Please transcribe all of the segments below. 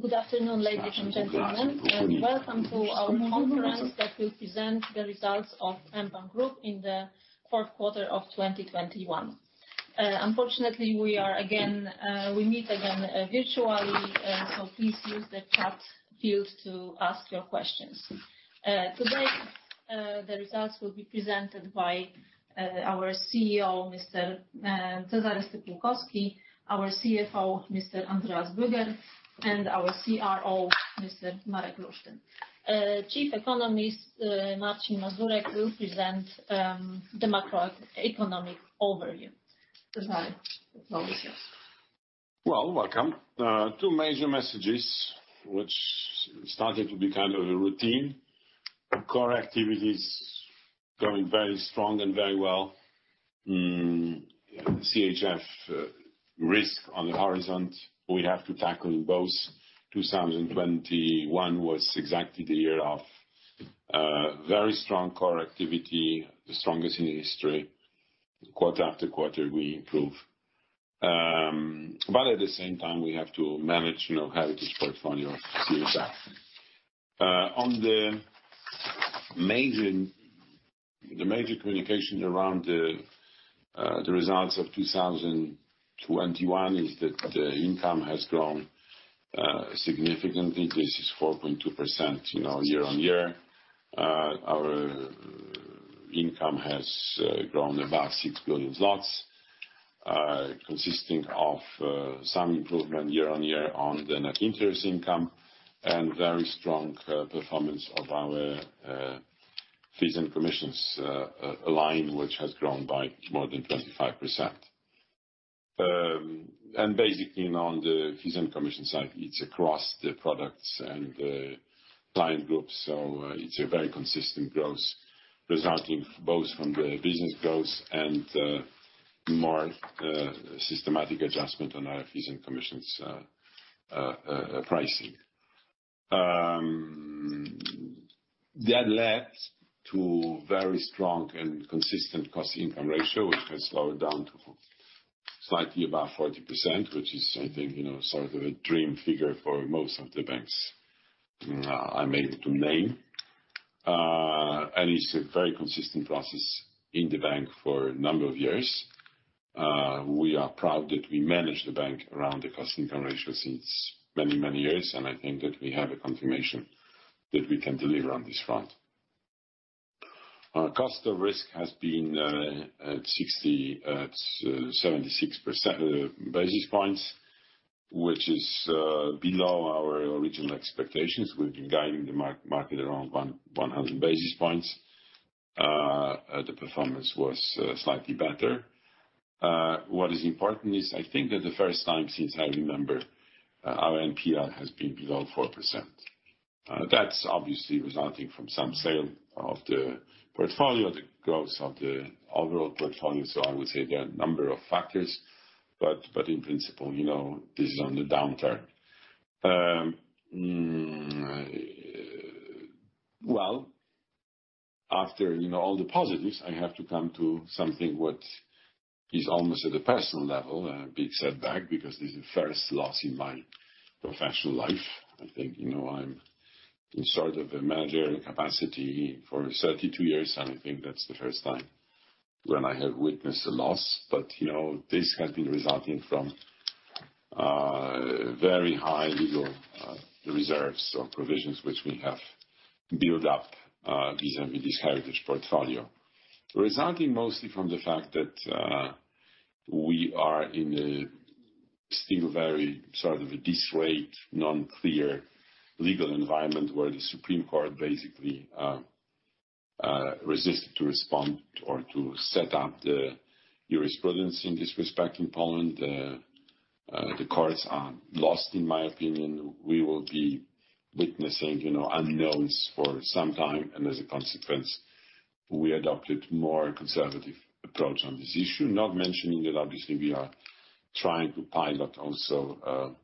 Good afternoon, ladies and gentlemen, and welcome to our conference that will present the results of mBank Group in the fourth quarter of 2021. Unfortunately, we are meeting again virtually, so please use the chat field to ask your questions. Today, the results will be presented by our CEO, Mr. Cezary Stypułkowski, our CFO, Mr. Andreas Böger, and our CRO, Mr. Marek Lusztyn. Chief Economist Marcin Mazurek will present the macroeconomic overview. Cezary Well, welcome. Two major messages which started to become a routine. Our core activity is going very strong and very well. CHF risk on the horizon. We have to tackle both. 2021 was exactly the year of very strong core activity, the strongest in history. Quarter after quarter we improve. But at the same time we have to manage, you know, heritage portfolio CHF. On the major communication around the results of 2021 is that the income has grown significantly. This is 4.2%, you know, year-over-year. Our income has grown about 6 billion zlotys, consisting of some improvement year-on-year on the net interest income, and very strong performance of our fees and commissions line, which has grown by more than 25%. Basically on the fees and commission side, it's across the products and the client groups, so it's a very consistent growth resulting both from the business growth and more systematic adjustment on our fees and commissions pricing. That led to very strong and consistent cost-income ratio, which has slowed down to slightly above 40%, which is, I think, you know, sort of a dream figure for most of the banks I'm able to name. It's a very consistent process in the bank for a number of years. We are proud that we manage the bank around the Cost-Income Ratio since many years, and I think that we have a confirmation that we can deliver on this front. Our Cost of Risk has been at 76 basis points, which is below our original expectations. We've been guiding the market around 100 basis points. The performance was slightly better. What is important is I think that the first time since I remember, our NPL has been below 4%. That's obviously resulting from some sale of the portfolio, the growth of the overall portfolio. I would say there are a number of factors, but in principle, you know, this is on the downturn. Well, after you know all the positives, I have to come to something what is almost at a personal level a big setback because this is the first loss in my professional life. I think, you know, I'm in sort of a managerial capacity for 32 years, and I think that's the first time when I have witnessed a loss. You know, this has been resulting from very high legal reserves or provisions which we have built up vis-a-vis this heritage portfolio. Resulting mostly from the fact that we are in a still very sort of a disarrayed, non-clear legal environment where the Supreme Court basically resisted to respond or to set up the jurisprudence in this respect in Poland. The courts are lost, in my opinion. We will be witnessing, you know, unknowns for some time, and as a consequence, we adopted more conservative approach on this issue. Not mentioning that obviously we are trying to pilot also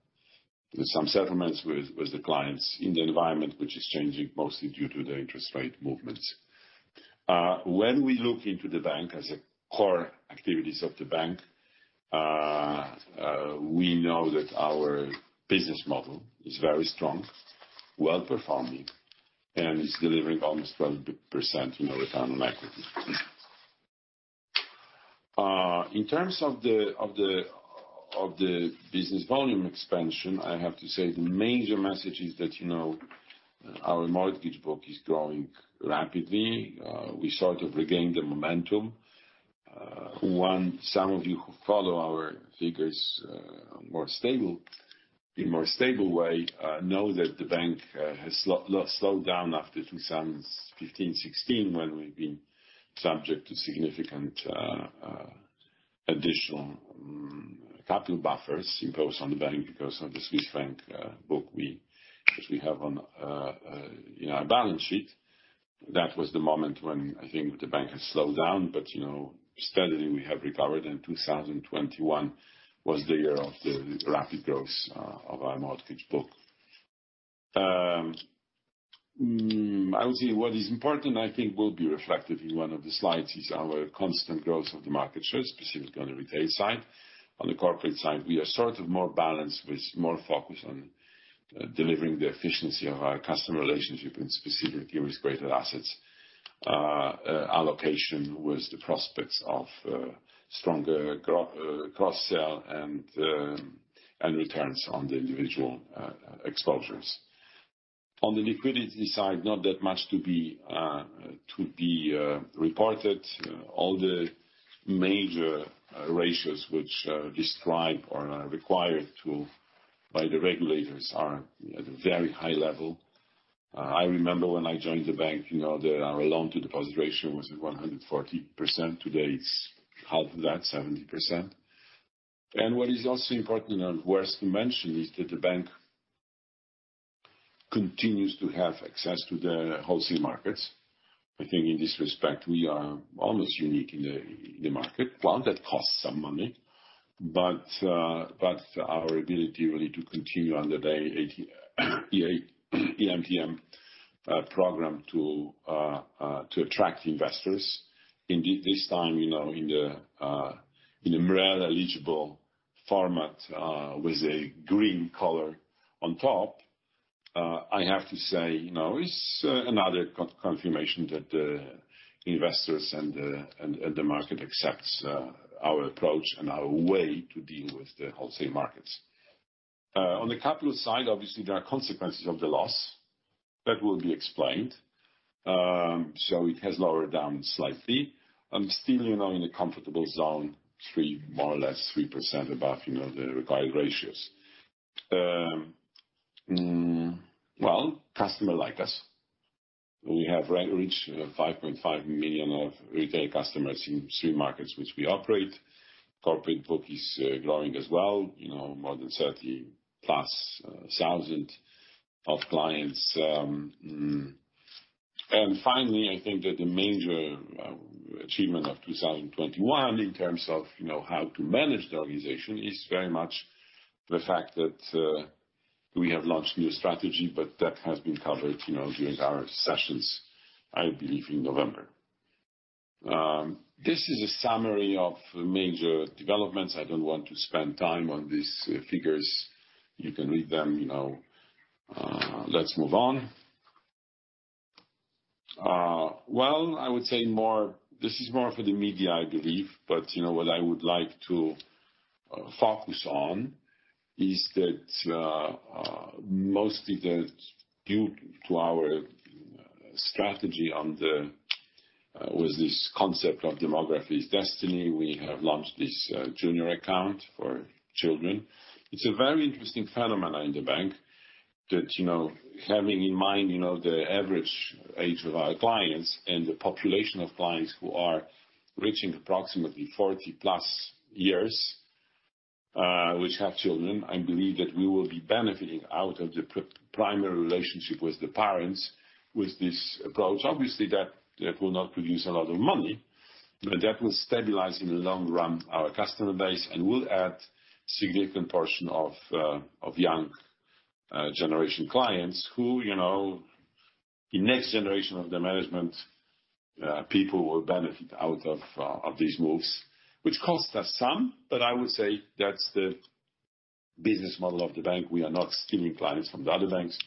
some settlements with the clients in the environment, which is changing mostly due to the interest rate movements. When we look into the bank as a core activities of the bank, we know that our business model is very strong, well-performing, and is delivering almost 12%, you know, return on equity. In terms of the business volume expansion, I have to say the major message is that, you know, our mortgage book is growing rapidly. We sort of regained the momentum. Some of you who follow our figures in a more stable way know that the bank has slowed down after 2015, 2016, when we've been subject to significant additional capital buffers imposed on the bank because of the Swiss franc book which we have on, you know, our balance sheet. That was the moment when I think the bank has slowed down. You know, steadily we have recovered, and 2021 was the year of the rapid growth of our mortgage book. I would say what is important, I think will be reflected in one of the slides, is our constant growth of the market share, specifically on the retail side. On the corporate side, we are sort of more balanced, with more focus on delivering the efficiency of our customer relationship, especially with greater assets. Allocation with the prospects of stronger cross-sell and returns on the individual exposures. On the liquidity side, not that much to be reported. All the major ratios which describe or are required by the regulators are at a very high level. I remember when I joined the bank, you know, their loan-to-deposit ratio was 140%. Today, it's half of that, 70%. What is also important and worth mentioning is that the bank continues to have access to the wholesale markets. I think in this respect, we are almost unique in the market. One that costs some money, but our ability really to continue on the very EMTN program to attract investors, in this time, you know, in the MREL-eligible format, with a green color on top. I have to say, you know, it's another confirmation that investors and the market accepts our approach and our way to deal with the wholesale markets. On the capital side, obviously, there are consequences of the loss that will be explained. It has lowered down slightly. Still, you know, in a comfortable zone, three more or less 3% above, you know, the required ratios. Well, customers like us. We have reached 5.5 million of retail customers in three markets which we operate. Corporate book is growing as well, you know, more than 30+ thousand of clients. Finally, I think that the major achievement of 2021 in terms of, you know, how to manage the organization, is very much the fact that we have launched new strategy, but that has been covered, you know, during our sessions, I believe, in November. This is a summary of major developments. I don't want to spend time on these figures. You can read them, you know. Let's move on. Well, I would say more. This is more for the media, I believe. You know, what I would like to focus on is that mostly that due to our strategy on the with this concept of demography is destiny, we have launched this junior account for children. It's a very interesting phenomenon in the bank that, you know, having in mind, you know, the average age of our clients and the population of clients who are reaching approximately 40-plus years, which have children. I believe that we will be benefiting out of the primary relationship with the parents with this approach. Obviously, that will not produce a lot of money, but that will stabilize in the long run our customer base and will add significant portion of young generation clients who, you know, the next generation of the management people will benefit out of these moves, which costs us some, but I would say that's the business model of the bank. We are not stealing clients from the other banks.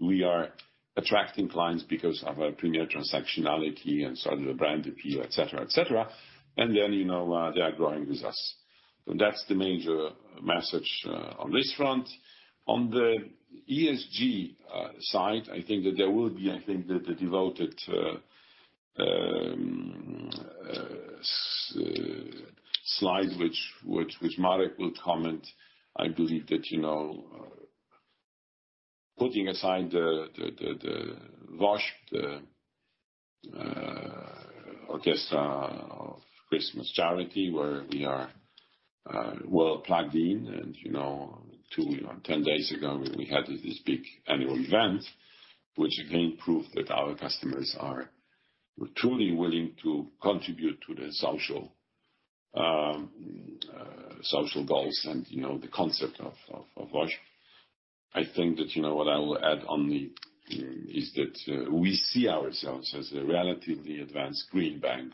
We are attracting clients because of our premier transactionality and certain brand appeal, et cetera, et cetera. You know, they are growing with us. That's the major message on this front. On the ESG side, I think that there will be, I think, the devoted slide, which Marek will comment. I believe that, you know, putting aside the WOŚP, the orchestra of Christmas Charity, where we are well plugged in. You know, 10 days ago, we had this big annual event, which again proved that our customers are truly willing to contribute to the social goals and, you know, the concept of WOŚP. I think that, you know, what I will add on the is that we see ourselves as a relatively advanced green bank,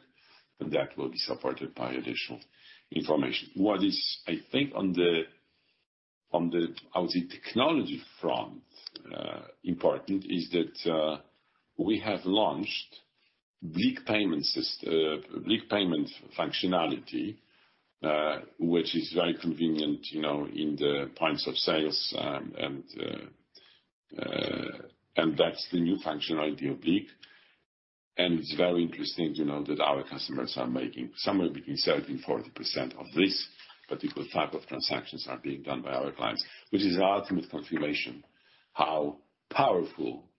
and that will be supported by additional information. What is... I think on the, I would say, technology front, important is that we have launched BLIK payment functionality, which is very convenient, you know, in the points of sales. That's the new functionality of BLIK. It's very interesting to know that our customers are making somewhere between 30%-40% of this particular type of transactions are being done by our clients, which is the ultimate confirmation how powerful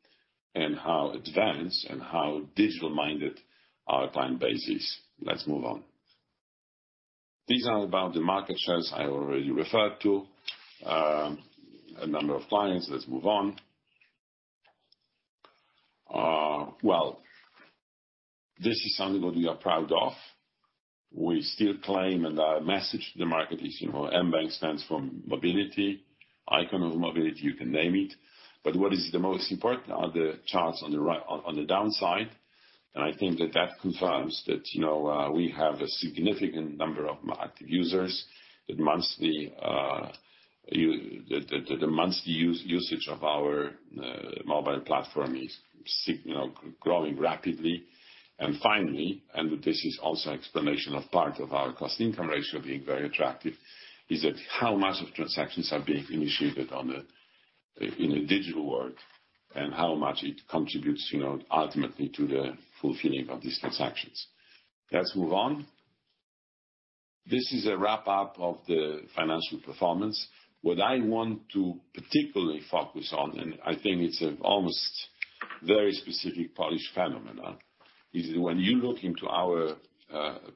and how advanced and how digital-minded our client base is. Let's move on. These are about the market shares I already referred to. A number of clients. Let's move on. Well, this is something that we are proud of. We still claim, and our message to the market is, mBank stands for mobility, icon of mobility, you can name it, but what is the most important are the charts on the right, on the downside. I think that confirms that we have a significant number of active users. That monthly usage of our mobile platform is growing rapidly. Finally, this is also explanation of part of our cost-income ratio being very attractive, is that how much of transactions are being initiated in the digital world, and how much it contributes ultimately to the fulfilling of these transactions. Let's move on. This is a wrap-up of the financial performance. What I want to particularly focus on, and I think it's an almost very specific Polish phenomenon, is when you look into our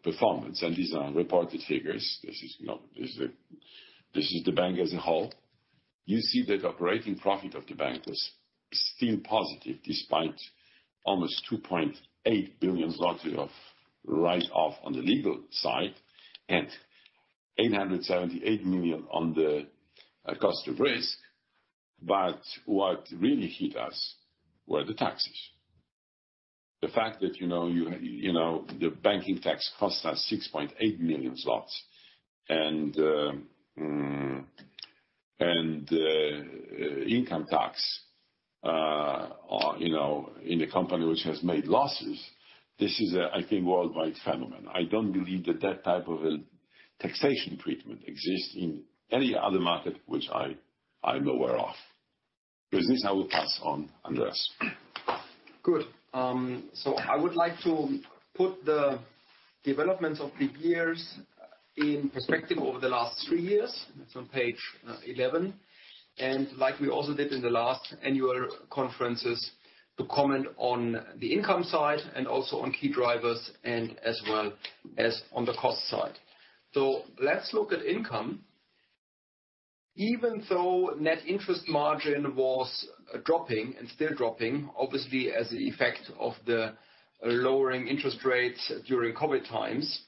performance, and these are reported figures, this is the bank as a whole. You see that operating profit of the bank is still positive, despite almost 2.8 billion zloty of write-off on the legal side and 878 million on the cost of risk. What really hit us were the taxes. The fact that the banking tax costs us 6.8 million zlotys. Income tax on in a company which has made losses, this is a, I think, worldwide phenomenon. I don't believe that type of a taxation treatment exists in any other market which I am aware of. With this, I will pass on Andreas. Good. I would like to put the developments of the years in perspective over the last three years. That's on page 11. Like we also did in the last annual conferences, to comment on the income side and also on key drivers as well as on the cost side. Let's look at income. Even though net interest margin was dropping, and still dropping, obviously as an effect of the lowering interest rates during COVID times,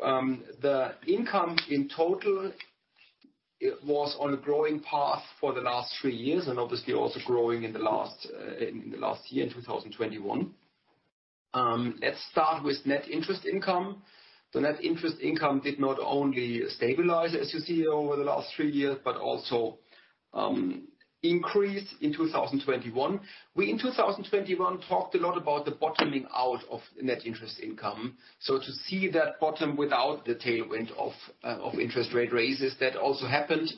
the income in total was on a growing path for the last three years, and obviously also growing in the last year, in 2021. Let's start with net interest income. The net interest income did not only stabilize, as you see, over the last three years, but also increase in 2021. We, in 2021, talked a lot about the bottoming out of Net Interest Income. To see that bottom without the tailwind of interest rate raises, that also happened.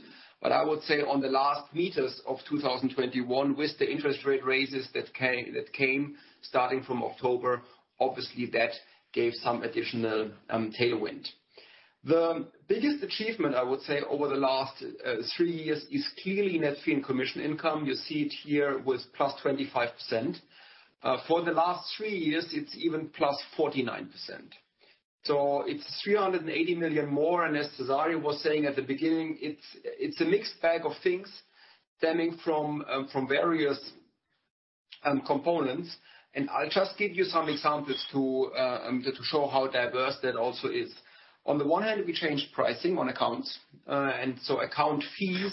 I would say on the last meters of 2021, with the interest rate raises that came, starting from October, obviously that gave some additional tailwind. The biggest achievement, I would say, over the last three years is clearly Net Fee and Commission Income. You see it here with +25%. For the last three years, it's even +49%. It's 380 million more, and as Cezary was saying at the beginning, it's a mixed bag of things stemming from various components. I'll just give you some examples to show how diverse that also is. On the one hand, we changed pricing on accounts. Account fees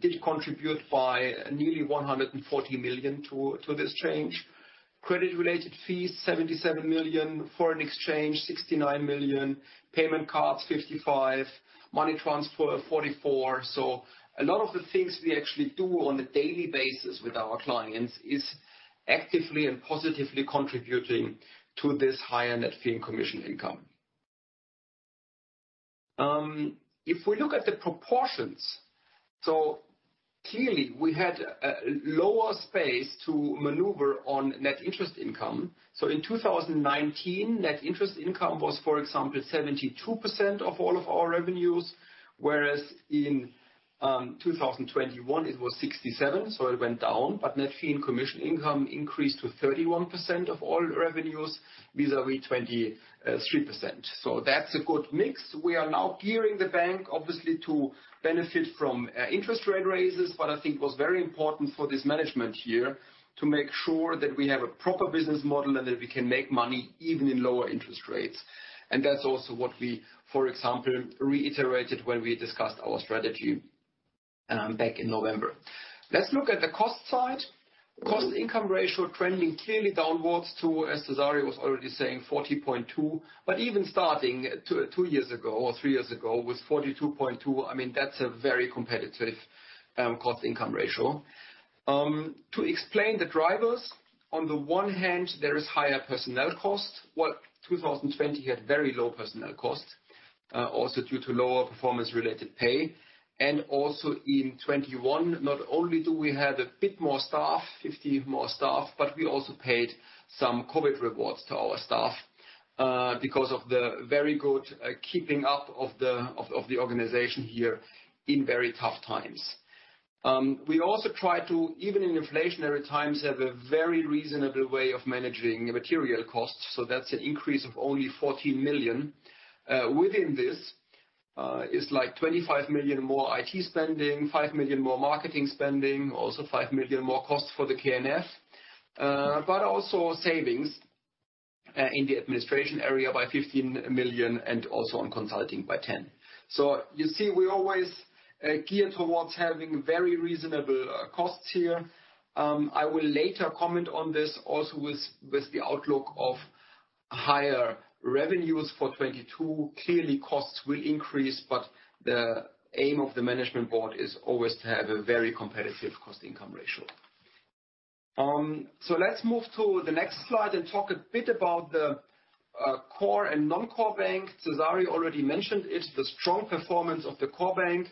did contribute by nearly 140 million to this change. Credit-related fees, 77 million, foreign exchange, 69 million, payment cards, 55 million, money transfer, 44 million. A lot of the things we actually do on a daily basis with our clients is actively and positively contributing to this higher Net Fee and Commission Income. If we look at the proportions, clearly we had lower space to maneuver on Net Interest Income. In 2019, Net Interest Income was, for example, 72% of all of our Revenues, whereas in 2021, it was 67%, so it went down. Net Fee and Commission Income increased to 31% of all Revenues, vis-à-vis 23%. That's a good mix. We are now gearing the bank, obviously, to benefit from interest rate raises. What I think was very important for this management year, to make sure that we have a proper business model and that we can make money even in lower interest rates. That's also what we, for example, reiterated when we discussed our strategy back in November. Let's look at the cost side. cost-income ratio trending clearly downwards to, as Cezary was already saying, 40.2%. Even starting two years ago or three years ago with 42.2%, I mean, that's a very competitive cost-income ratio. To explain the drivers, on the one hand, there is higher personnel costs. Whereas 2020 had very low personnel costs, also due to lower performance-related pay. Also in 2021, not only do we have a bit more staff, 50 more staff, but we also paid some COVID rewards to our staff because of the very good keeping up of the organization here in very tough times. We also try to even in inflationary times have a very reasonable way of managing the material costs, so that's an increase of only 14 million. Within this is like 25 million more IT spending, 5 million more marketing spending, also 5 million more costs for the KNF, but also savings in the administration area by 15 million and also on consulting by 10. You see, we always gear towards having very reasonable costs here. I will later comment on this also with the outlook of higher revenues for 2022. Clearly costs will increase, but the aim of the management board is always to have a very competitive cost-income ratio. Let's move to the next slide and talk a bit about the core and non-core bank. Cezary already mentioned it, the strong performance of the core bank.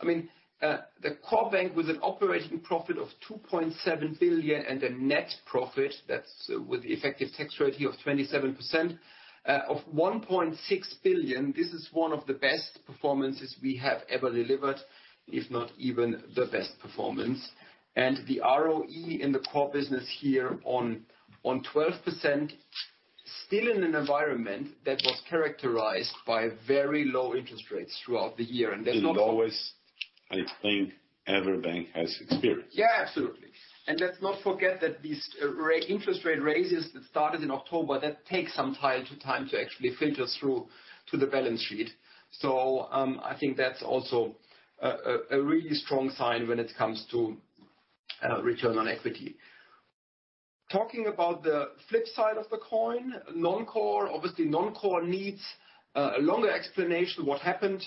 I mean, the core bank with an operating profit of 2.7 billion and a net profit, that's with effective tax rate here of 27%, of 1.6 billion. This is one of the best performances we have ever delivered, if not even the best performance. The ROE in the core business here on 12% still in an environment that was characterized by very low interest rates throughout the year. In the lowest, I think, every bank has experienced. Yeah, absolutely. Let's not forget that these interest rate raises that started in October, that takes some time to actually filter through to the balance sheet. I think that's also a really strong sign when it comes to return on equity. Talking about the flip side of the coin, non-core obviously needs a longer explanation what happened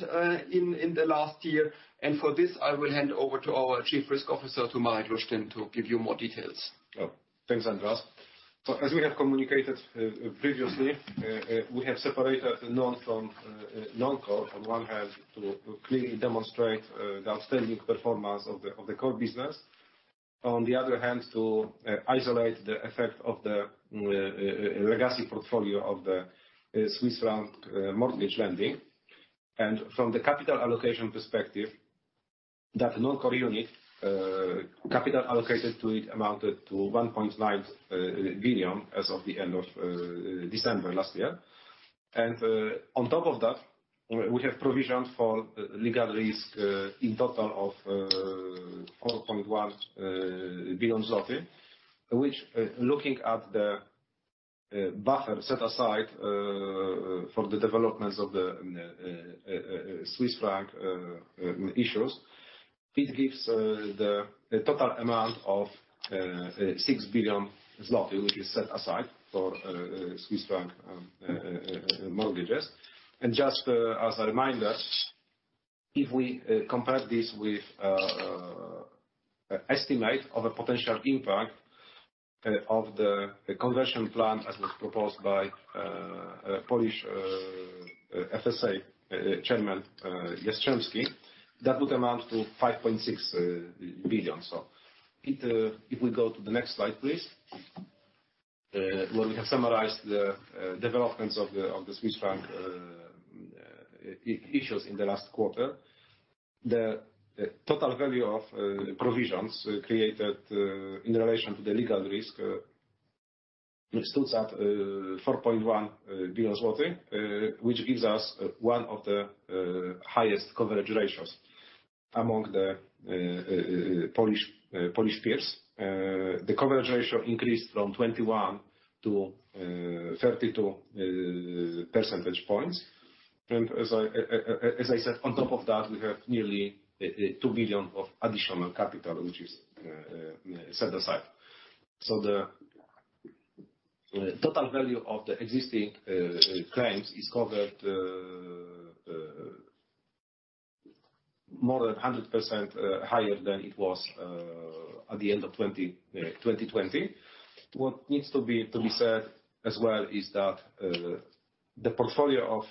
in the last year. For this, I will hand over to our Chief Risk Officer, Marek Lusztyn, to give you more details. Thanks, Andreas. As we have communicated previously, we have separated non-core from core on one hand to clearly demonstrate the outstanding performance of the core business, on the other hand to isolate the effect of the legacy portfolio of the Swiss franc mortgage lending. From the capital allocation perspective, the capital allocated to that non-core unit amounted to 1.9 billion as of the end of December last year. On top of that, we have provisioned for legal risk in total of 4.1 billion zloty. Which, looking at the buffer set aside for the developments of the Swiss franc issues, it gives the total amount of 6 billion zloty, which is set aside for Swiss franc mortgages. Just as a reminder, if we compare this with estimate of a potential impact of the conversion plan as was proposed by Polish FSA Chairman Jastrzębski, that would amount to 5.6 billion. If we go to the next slide, please. Where we have summarized the developments of the Swiss franc issues in the last quarter. Total value of provisions created in relation to the legal risk stood at 4.1 billion zloty, which gives us one of the highest coverage ratios among the Polish peers. The coverage ratio increased from 21 to 32 percentage points. As I said, on top of that, we have nearly 2 billion of additional capital, which is set aside. The total value of the existing claims is covered more than 100% higher than it was at the end of 2020. What needs to be said as well is that the portfolio of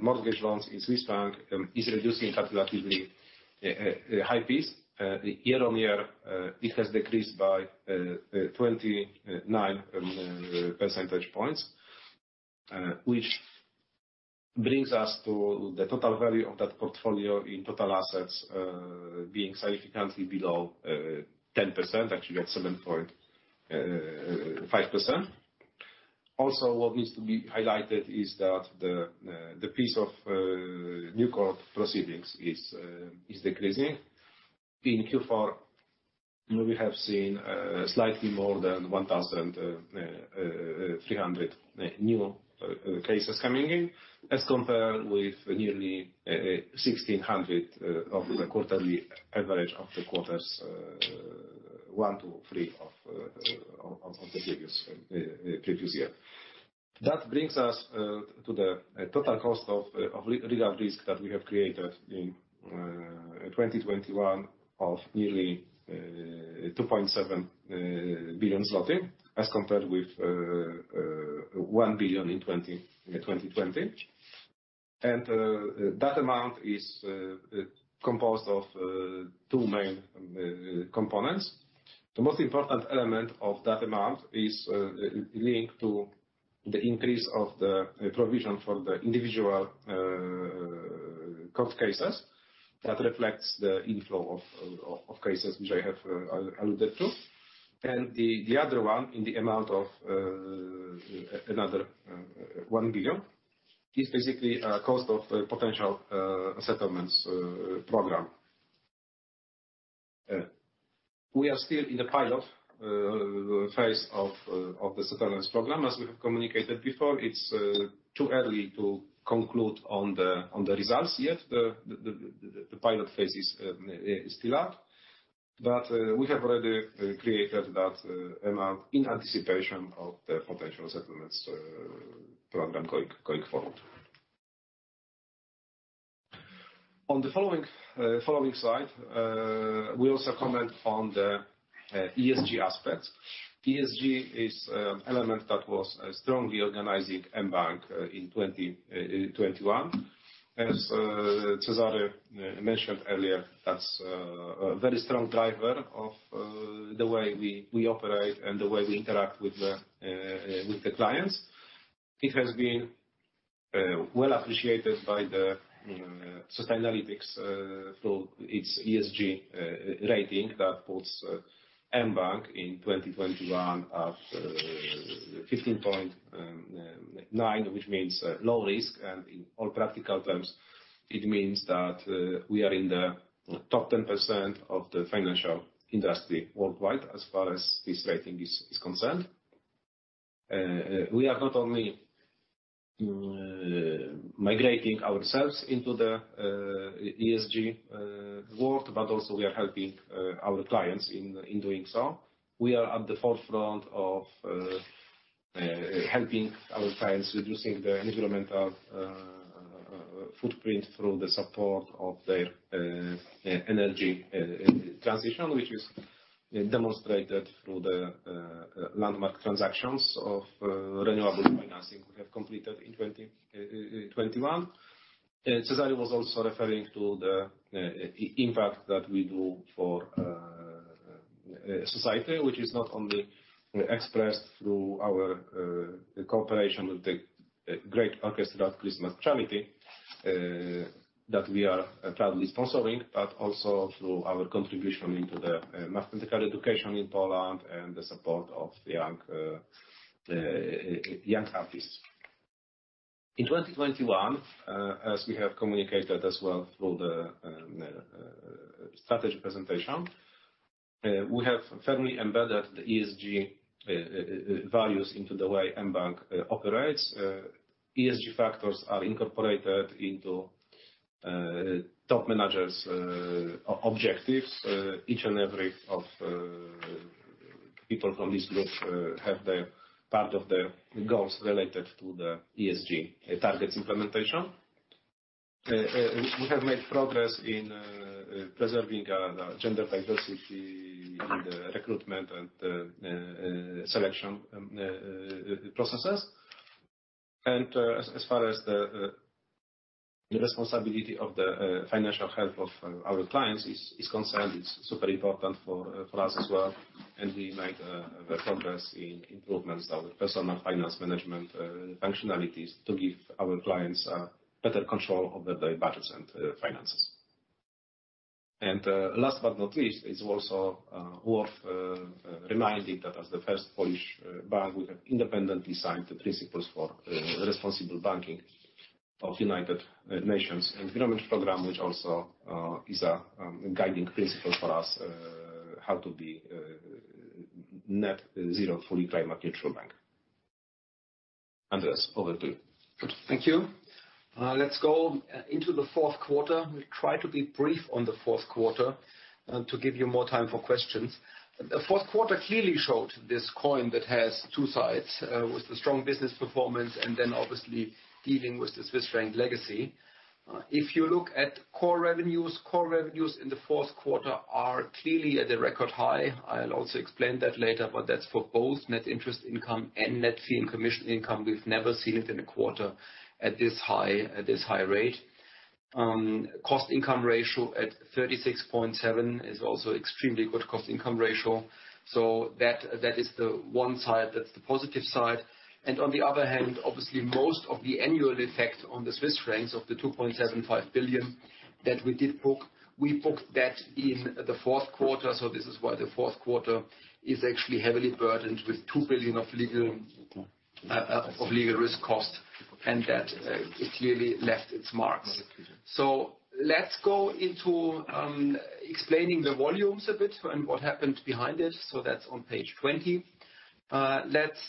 mortgage loans in Swiss franc is reducing cumulatively at a high pace. Year-on-year, it has decreased by 29 percentage points. Which brings us to the total value of that portfolio in total assets being significantly below 10%, actually at 7.5%. Also, what needs to be highlighted is that the piece of new court proceedings is decreasing. In Q4, we have seen slightly more than 1,300 new cases coming in, as compared with nearly 1,600 of the quarterly average of the quarters 1-3 of the previous year. That brings us to the total cost of legal risk that we have created in 2021 of nearly 2.7 billion zloty, as compared with 1 billion in 2020. That amount is composed of two main components. The most important element of that amount is linked to the increase of the provision for the individual court cases. That reflects the inflow of cases which I have alluded to. The other one in the amount of another 1 billion is basically cost of potential settlements program. We are still in the pilot phase of the settlements program. As we have communicated before, it's too early to conclude on the results yet. The pilot phase is still up. We have already created that amount in anticipation of the potential settlements program going forward. On the following slide, we also comment on the ESG aspects. ESG is element that was strongly organizing mBank in 2021. As Cezary mentioned earlier, that's a very strong driver of the way we operate and the way we interact with the clients. It has been well appreciated by Sustainalytics through its ESG rating that puts mBank in 2021 at 15.9, which means low risk. In all practical terms, it means that we are in the top 10% of the financial industry worldwide as far as this rating is concerned. We are not only migrating ourselves into the ESG world, but also we are helping our clients in doing so. We are at the forefront of helping our clients reducing their environmental footprint through the support of their energy transition, which is demonstrated through the landmark transactions of renewable financing we have completed in 2021. Cezary Stypułkowski was also referring to the impact that we do for society, which is not only expressed through our cooperation with the Great Orchestra of Christmas Charity that we are proudly sponsoring, but also through our contribution into the mathematical education in Poland and the support of young artists. In 2021, as we have communicated as well through the strategy presentation, we have firmly embedded the ESG values into the way mBank operates. ESG factors are incorporated into top managers' objectives. Each and every of people from this group have their part of the goals related to the ESG targets implementation. We have made progress in preserving gender diversity in the recruitment and selection processes. As far as the responsibility of the financial health of our clients is concerned, it's super important for us as well. We make progress in improvements to our personal finance management functionalities to give our clients better control over their budgets and finances. Last but not least, it's also worth reminding that as the first Polish bank, we have independently signed the Principles for Responsible Banking of United Nations Environment Program, which also is a guiding principle for us how to be net zero fully climate neutral bank. Andreas, over to you. Good. Thank you. Let's go into the fourth quarter. We try to be brief on the fourth quarter to give you more time for questions. The fourth quarter clearly showed this coin that has two sides with the strong business performance and then obviously dealing with the Swiss franc legacy. If you look at core revenues, core revenues in the fourth quarter are clearly at a record high. I'll also explain that later, but that's for both Net Interest Income and Net Fee and Commission Income. We've never seen it in a quarter at this high rate. Cost-Income Ratio at 36.7% is also extremely good Cost-Income Ratio. That is the one side, that's the positive side. On the other hand, obviously most of the annual effect on the Swiss francs of the 2.75 billion that we did book, we booked that in the fourth quarter, so this is why the fourth quarter is actually heavily burdened with 2 billion of legal risk cost, and that it clearly left its marks. Let's go into explaining the volumes a bit and what happened behind this. That's on page 20. Let's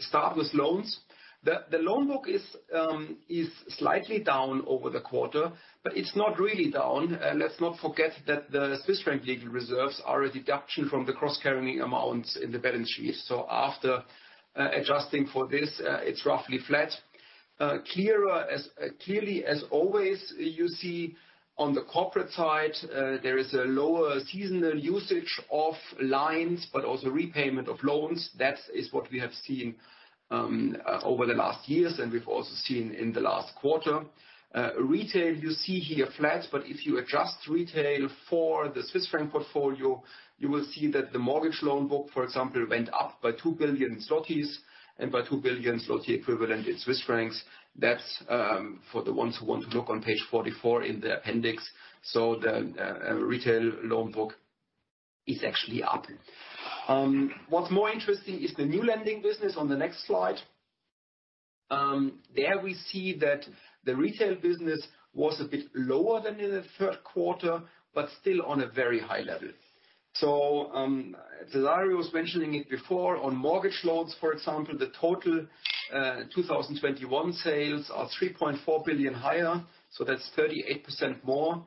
start with loans. The loan book is slightly down over the quarter, but it's not really down. Let's not forget that the Swiss franc legal reserves are a deduction from the cross-currency amounts in the balance sheet. After adjusting for this, it's roughly flat. Clearly as always, you see on the corporate side, there is a lower seasonal usage of lines, but also repayment of loans. That is what we have seen over the last years, and we've also seen in the last quarter. Retail, you see here flat, but if you adjust retail for the Swiss franc portfolio, you will see that the mortgage loan book, for example, went up by 2 billion zlotys and by 2 billion zloty equivalent in Swiss francs. That's for the ones who want to look on page 44 in the appendix. The retail loan book is actually up. What's more interesting is the new lending business on the next slide. There we see that the retail business was a bit lower than in the third quarter, but still on a very high level. Cezary Stypułkowski was mentioning it before on mortgage loans, for example, the total 2021 sales are 3.4 billion higher, so that's 38% more.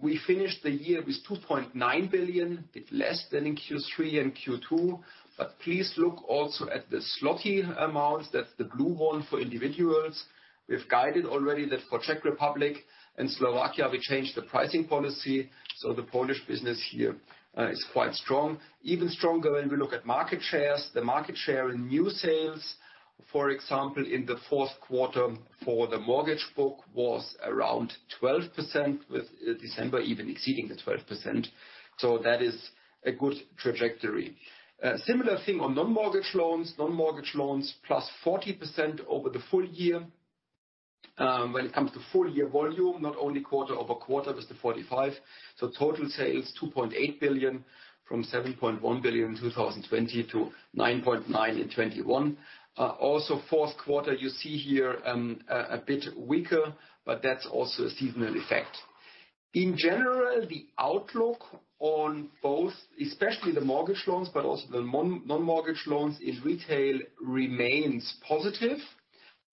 We finished the year with 2.9 billion, a bit less than in Q3 and Q2, but please look also at the spotty amounts. That's the blue one for individuals. We've guided already that for Czech Republic and Slovakia, we changed the pricing policy, so the Polish business here is quite strong. Even stronger when we look at market shares. The market share in new sales, for example, in the fourth quarter for the mortgage book was around 12%, with December even exceeding the 12%. That is a good trajectory. Similar thing on non-mortgage loans. Non-mortgage loans +40% over the full year, when it comes to full year volume, not only quarter-over-quarter with the 45. Total sales 2.8 billion from 7.1 billion in 2020 to 9.9 billion in 2021. Also fourth quarter, you see here, a bit weaker, but that's also a seasonal effect. In general, the outlook on both, especially the mortgage loans, but also the non-mortgage loans in retail remains positive,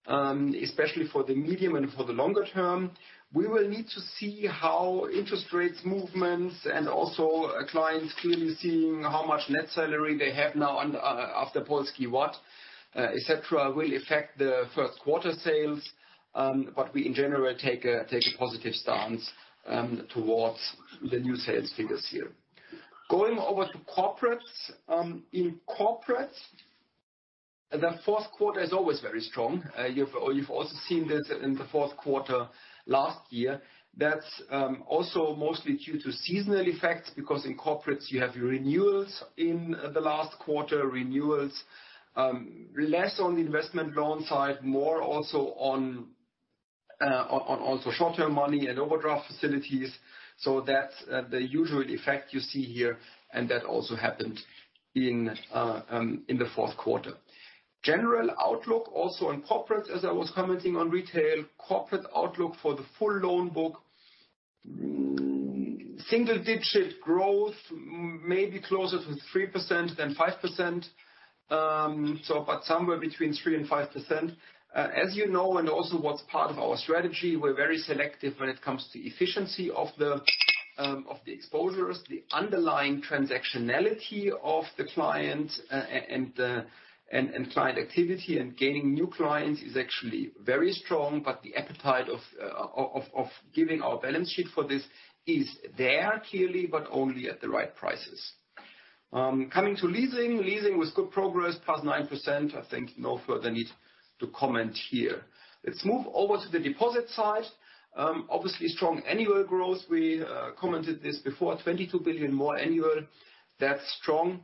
especially for the medium and for the longer term. We will need to see how interest rates movements and also clients clearly seeing how much net salary they have now on the, after Polski Ład, et cetera, will affect the first quarter sales. We in general take a positive stance towards the new sales figures here. Going over to corporate. In corporate, the fourth quarter is always very strong. You've also seen that in the fourth quarter last year. That's also mostly due to seasonal effects because in corporates you have renewals in the last quarter. Renewals, less on the investment loan side, more also on short-term money and overdraft facilities. That's the usual effect you see here, and that also happened in the fourth quarter. General outlook also on corporate, as I was commenting on retail, corporate outlook for the full loan book, single-digit growth, maybe closer to 3% than 5%. But somewhere between 3% and 5%. As you know, and also what's part of our strategy, we're very selective when it comes to efficiency of the exposures. The underlying transactionality of the client and the client activity and gaining new clients is actually very strong, but the appetite of giving our balance sheet for this is there clearly, but only at the right prices. Coming to leasing. Leasing was good progress, +9%. I think no further need to comment here. Let's move over to the deposit side. Obviously strong annual growth. We commented this before. 22 billion more annual. That's strong.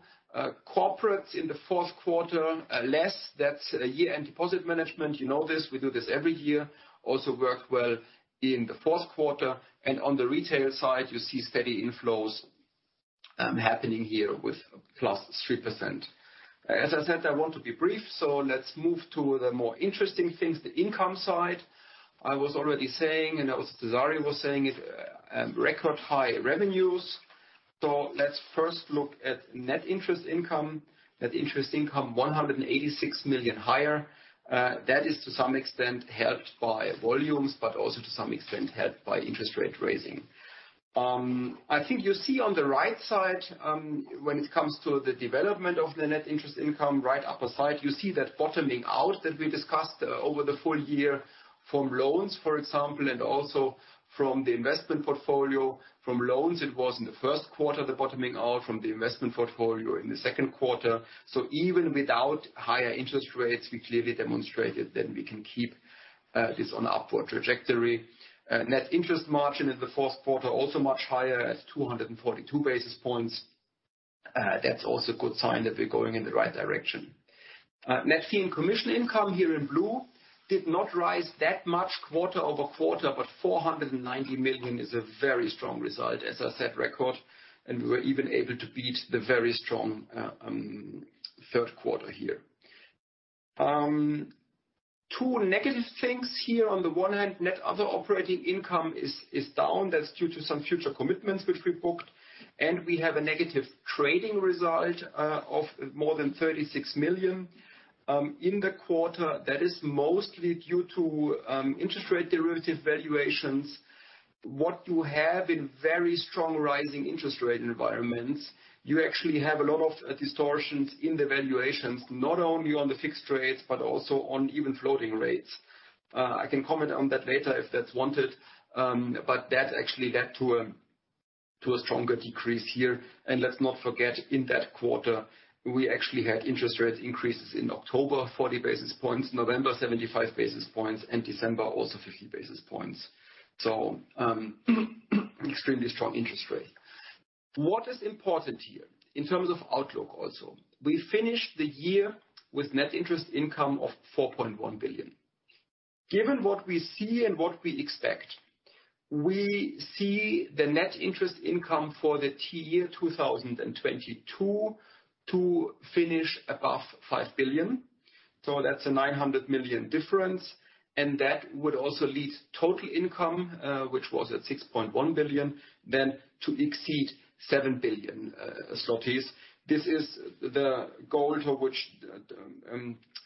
Corporates in the fourth quarter, less. That's a year-end deposit management. You know this. We do this every year. Also worked well in the fourth quarter, and on the retail side, you see steady inflows happening here with +3%. As I said, I want to be brief, so let's move to the more interesting things, the income side. I was already saying, and it was Cezary Stypułkowski saying it, record high revenues. Let's first look at Net Interest Income. Net Interest Income, 186 million higher. That is to some extent helped by volumes, but also to some extent helped by interest rates rising. I think you see on the right side, when it comes to the development of the Net Interest Income, right upper side, you see that bottoming out that we discussed over the full year from loans, for example, and also from the investment portfolio. From loans, it was in the first quarter, the bottoming out. From the investment portfolio in the second quarter. Even without higher interest rates, we clearly demonstrated that we can keep this on upward trajectory. Net Interest Margin in the fourth quarter, also much higher at 242 basis points. That's also a good sign that we're going in the right direction. Net Fee and Commission Income here in blue did not rise that much quarter-over-quarter, but 490 million is a very strong result. As I said, record, and we were even able to beat the very strong third quarter here. Two negative things here. On the one hand, net other operating income is down. That's due to some future commitments which we booked. We have a negative trading result of more than 36 million in the quarter. That is mostly due to interest rate derivative valuations. What you have in very strong rising interest rate environments, you actually have a lot of distortions in the valuations, not only on the fixed rates, but also on even floating rates. I can comment on that later if that's wanted. that actually led to a stronger decrease here. Let's not forget, in that quarter, we actually had interest rate increases in October, 40 basis points, November, 75 basis points, and December also 50 basis points. extremely strong interest rate. What is important here in terms of outlook also, we finished the year with net interest income of 4.1 billion. Given what we see and what we expect, we see the net interest income for the year 2022 to finish above 5 billion. That's a 900 million difference, and that would also lead total income, which was at 6.1 billion, then to exceed 7 billion zlotys. This is the goal to which,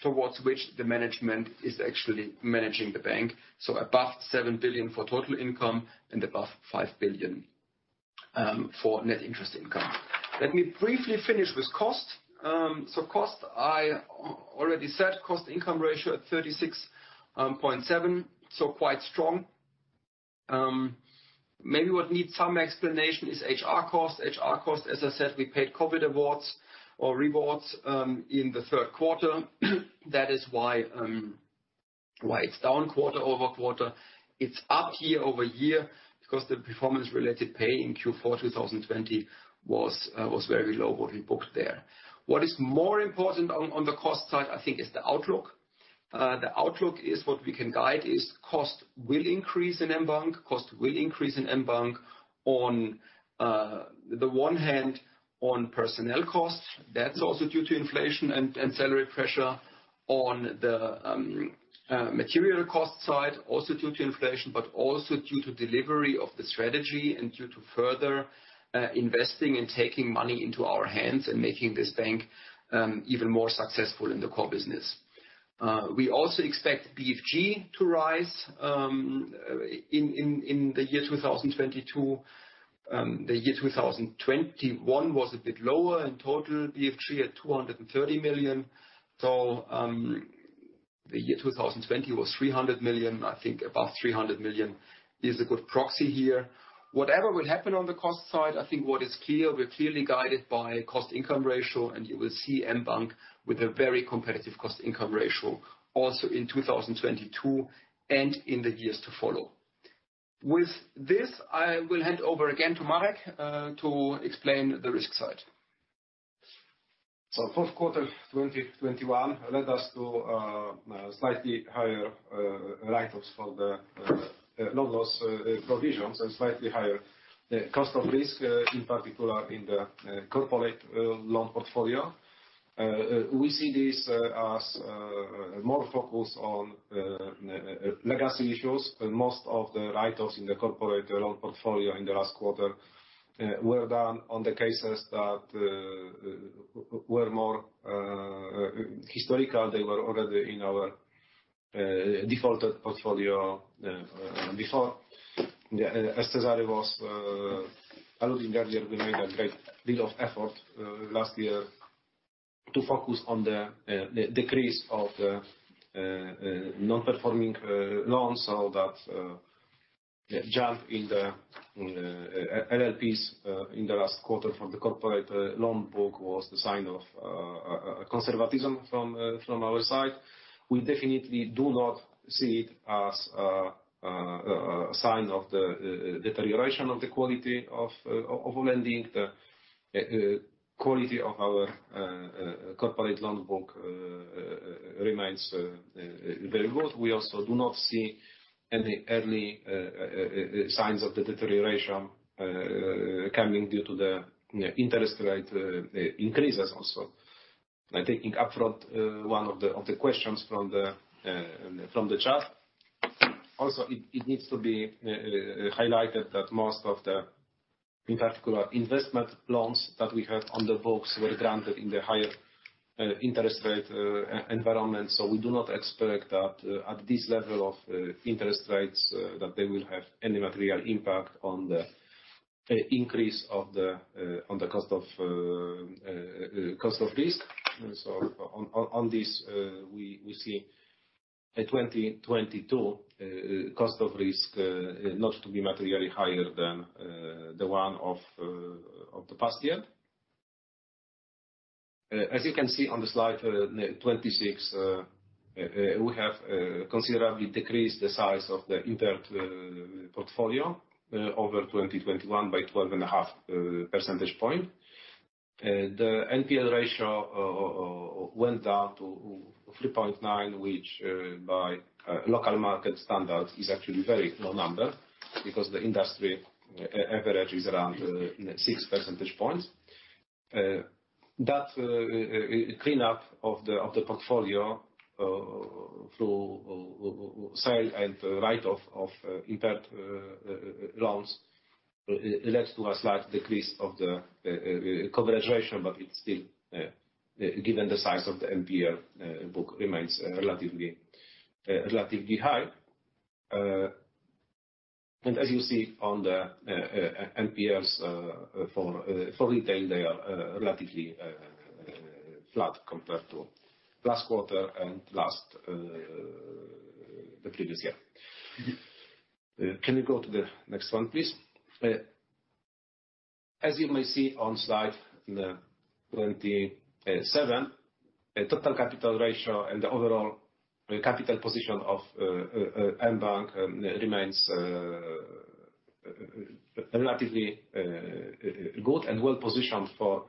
towards which the management is actually managing the bank. Above 7 billion for total income and above 5 billion for net interest income. Let me briefly finish with cost. Cost, I already said cost-income ratio at 36.7%, so quite strong. Maybe what needs some explanation is HR cost. HR cost, as I said, we paid COVID awards or rewards in the third quarter. That is why it's down quarter-over-quarter. It's up year-over-year because the performance-related pay in Q4 2020 was very low what we booked there. What is more important on the cost side, I think is the outlook. The outlook is what we can guide is cost will increase in mBank on the one hand on personnel costs. That's also due to inflation and salary pressure on the material cost side, also due to inflation, but also due to delivery of the strategy and due to further investing and taking money into our hands and making this bank even more successful in the core business. We also expect BFG to rise in the year 2022. The year 2021 was a bit lower, and total BFG at 230 million. The year 2020 was 300 million. I think above 300 million is a good proxy here. Whatever will happen on the cost side, I think what is clear, we're clearly guided by cost-income ratio, and you will see mBank with a very competitive cost-income ratio also in 2022 and in the years to follow. With this, I will hand over again to Marek to explain the risk side. Fourth quarter 2021 led us to slightly higher write-offs for the loan loss provisions and slightly higher cost of risk, in particular in the corporate loan portfolio. We see this as more focused on legacy issues, and most of the write-offs in the corporate loan portfolio in the last quarter were done on the cases that were more historical. They were already in our defaulted portfolio before. As Cezary was alluding earlier, we made a great deal of effort last year to focus on the decrease of the non-performing loans. That jump in the LLPs in the last quarter from the corporate loan book was a sign of conservatism from our side. We definitely do not see it as a sign of the deterioration of the quality of lending. The quality of our corporate loan book remains very good. We also do not see any early signs of the deterioration coming due to the interest rate increases also. I'm taking upfront one of the questions from the chat. It needs to be highlighted that most of the in particular investment loans that we have on the books were granted in the higher interest rate environment. We do not expect that at this level of interest rates that they will have any material impact on the increase of the cost of risk. On this, we see a 2022 cost of risk not to be materially higher than the one of the past year. As you can see on the slide 26, we have considerably decreased the size of the impaired portfolio over 2021 by 12.5 percentage points. The NPL ratio went down to 3.9%, which by local market standards is actually very low number because the industry average is around 6%. That clean up of the portfolio through sale and write-off of impaired loans leads to a slight decrease of the coverage ratio, but it's still given the size of the NPL book remains relatively high. As you see on the NPLs for retail, they are relatively flat compared to last quarter and last, the previous year. Can you go to the next one, please? As you may see on slide 27, a total capital ratio and the overall capital position of mBank remains Relatively good and well-positioned for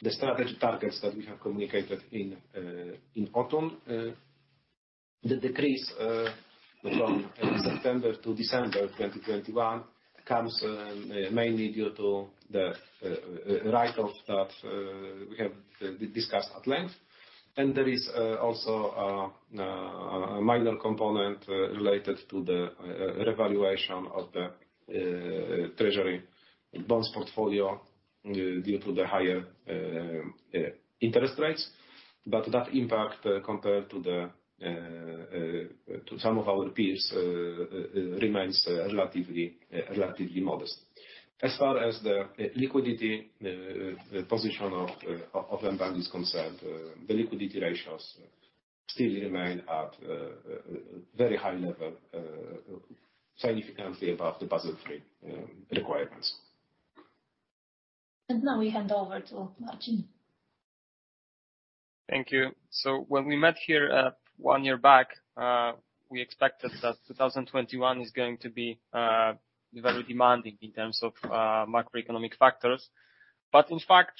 the strategy targets that we have communicated in autumn. The decrease from September to December 2021 comes mainly due to the write-off that we have discussed at length. There is also a minor component related to the revaluation of the treasury bonds portfolio due to the higher interest rates. That impact compared to some of our peers remains relatively modest. As far as the liquidity position of mBank is concerned, the liquidity ratios still remain at very high level, significantly above the Basel III requirements. Now we hand over to Marcin. Thank you. When we met here one year back, we expected that 2021 is going to be very demanding in terms of macroeconomic factors. In fact,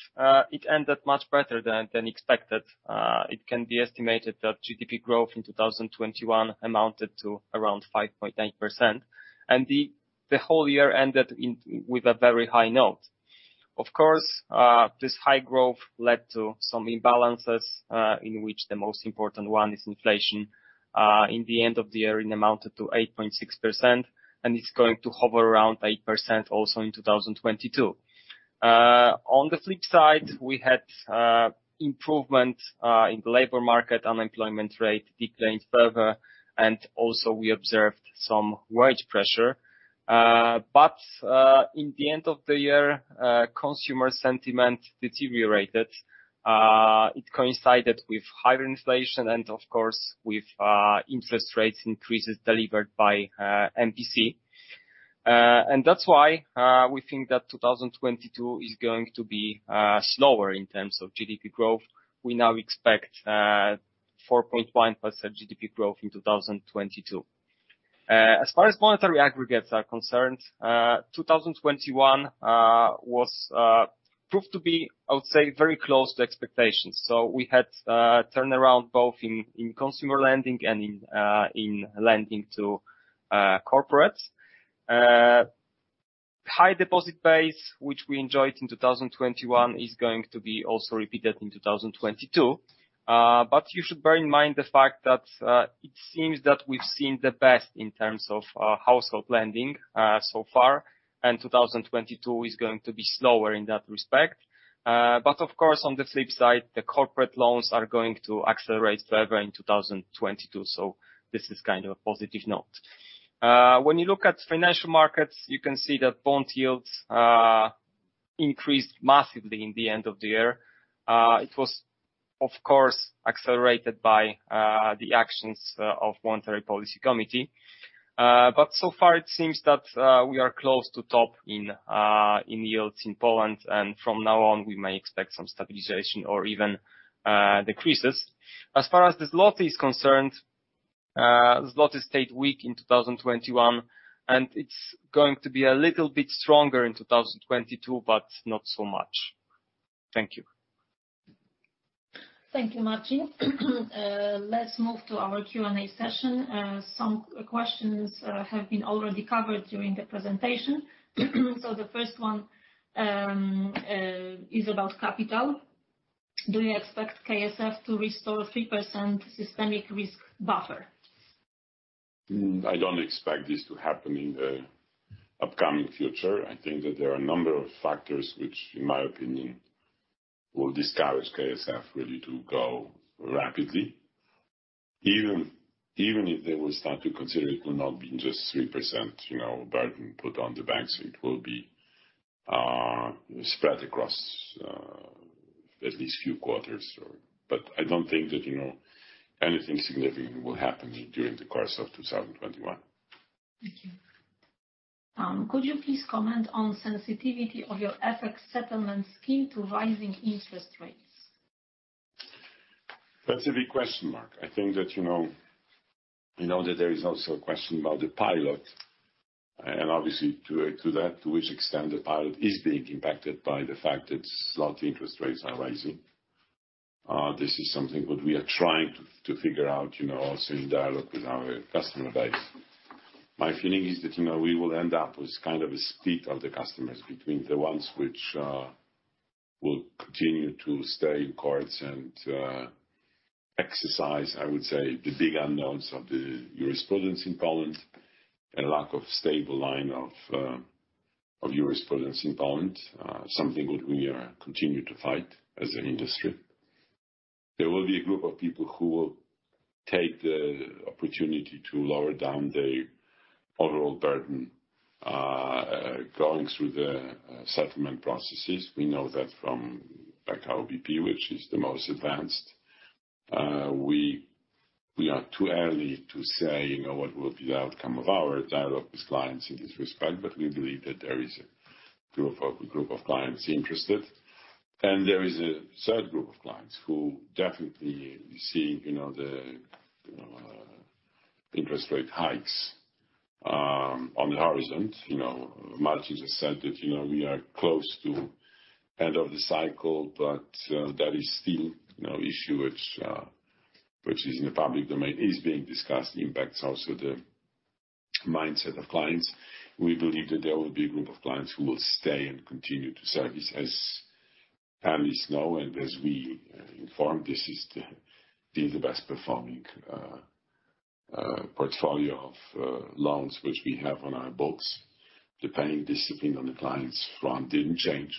it ended much better than expected. It can be estimated that GDP growth in 2021 amounted to around 5.9%, and the whole year ended with a very high note. Of course, this high growth led to some imbalances, in which the most important one is inflation. In the end of the year, it amounted to 8.6%, and it's going to hover around 8% also in 2022. On the flip side, we had improvement in the labor market. Unemployment rate declined further, and also we observed some wage pressure. In the end of the year, consumer sentiment deteriorated. It coincided with higher inflation and of course, with interest rates increases delivered by MPC. That's why we think that 2022 is going to be slower in terms of GDP growth. We now expect 4.1% GDP growth in 2022. As far as monetary aggregates are concerned, 2021 was proved to be, I would say, very close to expectations. We had turnaround both in consumer lending and in lending to corporates. High deposit base, which we enjoyed in 2021, is going to be also repeated in 2022. You should bear in mind the fact that it seems that we've seen the best in terms of household lending so far, and 2022 is going to be slower in that respect. Of course, on the flip side, the corporate loans are going to accelerate further in 2022. This is kind of a positive note. When you look at financial markets, you can see that bond yields increased massively in the end of the year. It was, of course, accelerated by the actions of Monetary Policy Council. So far it seems that we are close to top in yields in Poland, and from now on, we may expect some stabilization or even decreases. As far as the zloty is concerned, zloty stayed weak in 2021, and it's going to be a little bit stronger in 2022, but not so much. Thank you. Thank you, Marcin. Let's move to our Q&A session. Some questions have been already covered during the presentation. The first one is about capital. Do you expect KNF to restore 3% systemic risk buffer? I don't expect this to happen in the upcoming future. I think that there are a number of factors which, in my opinion, will discourage KNF really to go rapidly. Even if they will start to consider, it will not be just 3%, you know, burden put on the banks. It will be spread across at least few quarters. I don't think that, you know, anything significant will happen during the course of 2021. Thank you. Could you please comment on sensitivity of your FX settlement scheme to rising interest rates? That's a big question Marek. I think that, you know, that there is also a question about the pilot, and obviously to which extent the pilot is being impacted by the fact that zloty interest rates are rising. This is something that we are trying to figure out, you know, also in dialogue with our customer base. My feeling is that, you know, we will end up with kind of a split of the customers between the ones which will continue to stay in CHF and exercise, I would say, the big unknowns of the conversion in Poland and lack of stable line of conversion in Poland, something that we continue to fight as an industry. There will be a group of people who will take the opportunity to lower down the overall burden going through the settlement processes. We know that from PKO BP, which is the most advanced. We are too early to say, you know, what will be the outcome of our dialogue with clients in this respect, but we believe that there is a group of clients interested. There is a third group of clients who definitely see, you know, the interest rate hikes on the horizon. You know, Marcin just said it, you know, we are close to the end of the cycle, but that is still, you know, an issue which is in the public domain and is being discussed. It impacts also the mindset of clients. We believe that there will be a group of clients who will stay and continue to service. As families know, and as we inform, this has been the best performing portfolio of loans which we have on our books. The paying discipline on the clients front didn't change.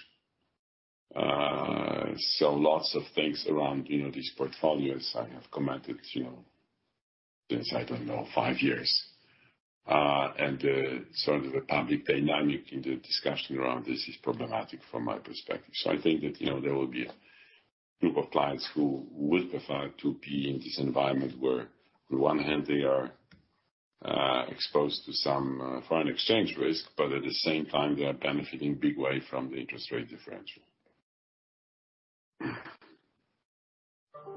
Lots of things around, you know, these portfolios I have commented, you know, since, I don't know, five years. The sort of public dynamic in the discussion around this is problematic from my perspective. I think that, you know, there will be a group of clients who will prefer to be in this environment where on one hand they are exposed to some foreign exchange risk, but at the same time they are benefiting big way from the interest rate differential.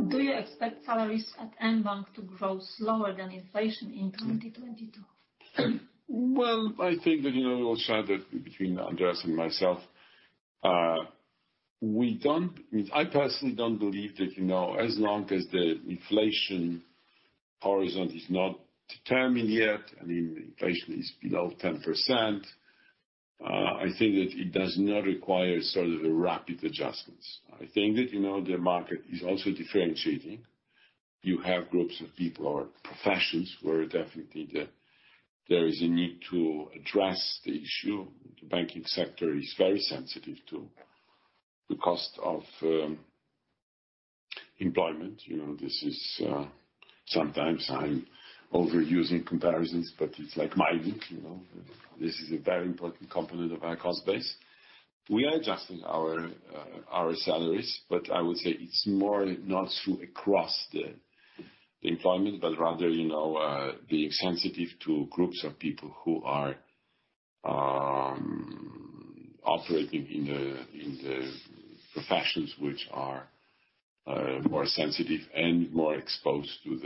Do you expect salaries at mBank to grow slower than inflation in 2022? Well, I think that, you know, we all shared that between Andreas and myself. I personally don't believe that, you know, as long as the inflation horizon is not determined yet, I mean, inflation is below 10%, I think that it does not require sort of rapid adjustments. I think that, you know, the market is also differentiating. You have groups of people or professions where definitely, there is a need to address the issue. The banking sector is very sensitive to the cost of employment. You know, this is, sometimes I'm overusing comparisons, but it's like mining, you know. This is a very important component of our cost base. We are adjusting our salaries, but I would say it's more not across the board, but rather, you know, being sensitive to groups of people who are operating in the professions which are more sensitive and more exposed to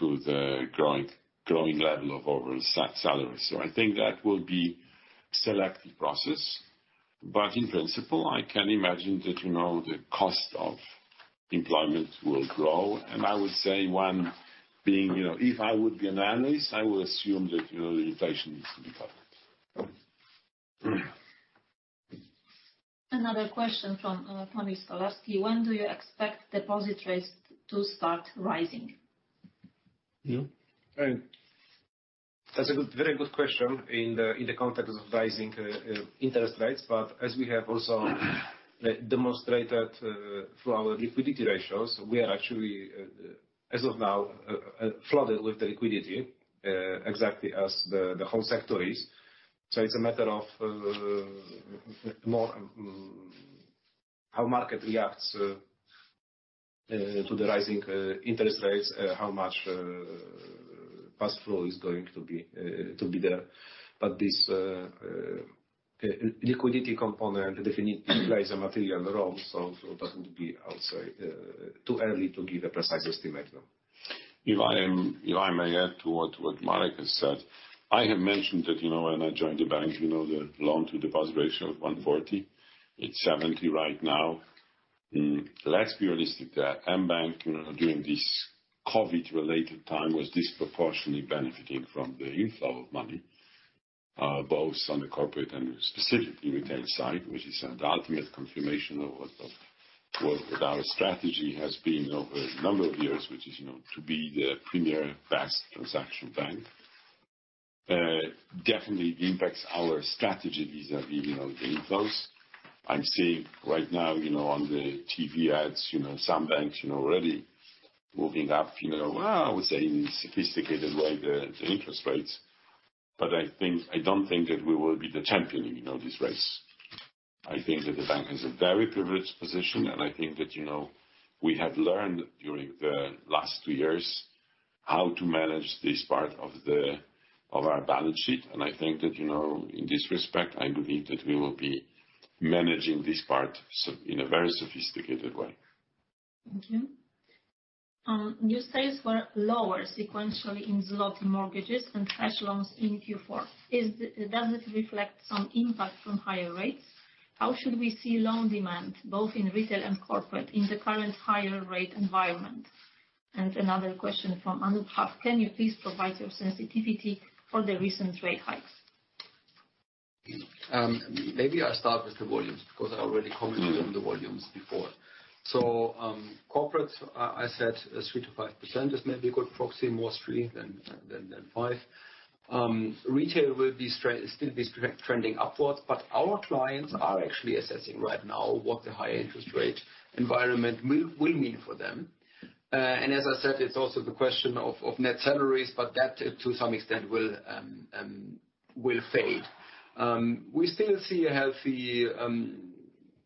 the growing level of overall salaries. I think that will be selective process. In principle, I can imagine that, you know, the cost of employment will grow. I would say one being, you know, if I would be an analyst, I would assume that, you know, the inflation needs to be covered. Another question from Tomasz Stolarski: When do you expect deposit rates to start rising? You? That's a good, very good question in the context of rising interest rates. As we have also demonstrated through our liquidity ratios, we are actually, as of now, flooded with the liquidity exactly as the whole sector is. It's a matter of more how the market reacts to the rising interest rates, how much cash flow is going to be there. This liquidity component definitely plays a material role, so that would be, I'll say, too early to give a precise estimate, though. If I may add to what Marek has said. I have mentioned that, you know, when I joined the bank, you know, the loan-to-deposit ratio of 140. It's 70 right now. Let's be realistic that mBank, you know, during this COVID-related time, was disproportionately benefiting from the inflow of money, both on the corporate and specifically retail side, which is the ultimate confirmation of what our strategy has been over a number of years, which is, you know, to be the premier best transaction bank. Definitely impacts our strategy vis-à-vis, you know, the inflows. I'm seeing right now, you know, on the TV ads, you know, some banks, you know, already moving up, you know, well, I would say in sophisticated way the interest rates. I think, I don't think that we will be the champion in, you know, this race. I think that the bank is a very privileged position, and I think that, you know, we have learned during the last two years how to manage this part of our balance sheet. I think that, you know, in this respect, I believe that we will be managing this part in a very sophisticated way. Thank you. New sales were lower sequentially in zloty mortgages and cash loans in Q4. Does it reflect some impact from higher rates? How should we see loan demand both in retail and corporate in the current higher rate environment? Another question from Anup Abhyankar. Can you please provide your sensitivity for the recent rate hikes? Maybe I'll start with the volumes, because I already commented on the volumes before. Corporate, I said 3%-5% is maybe a good proxy, more 3% than 5%. Retail will still be trending upwards, but our clients are actually assessing right now what the high interest rate environment will mean for them. As I said, it's also the question of net salaries, but that to some extent will fade. We still see a healthy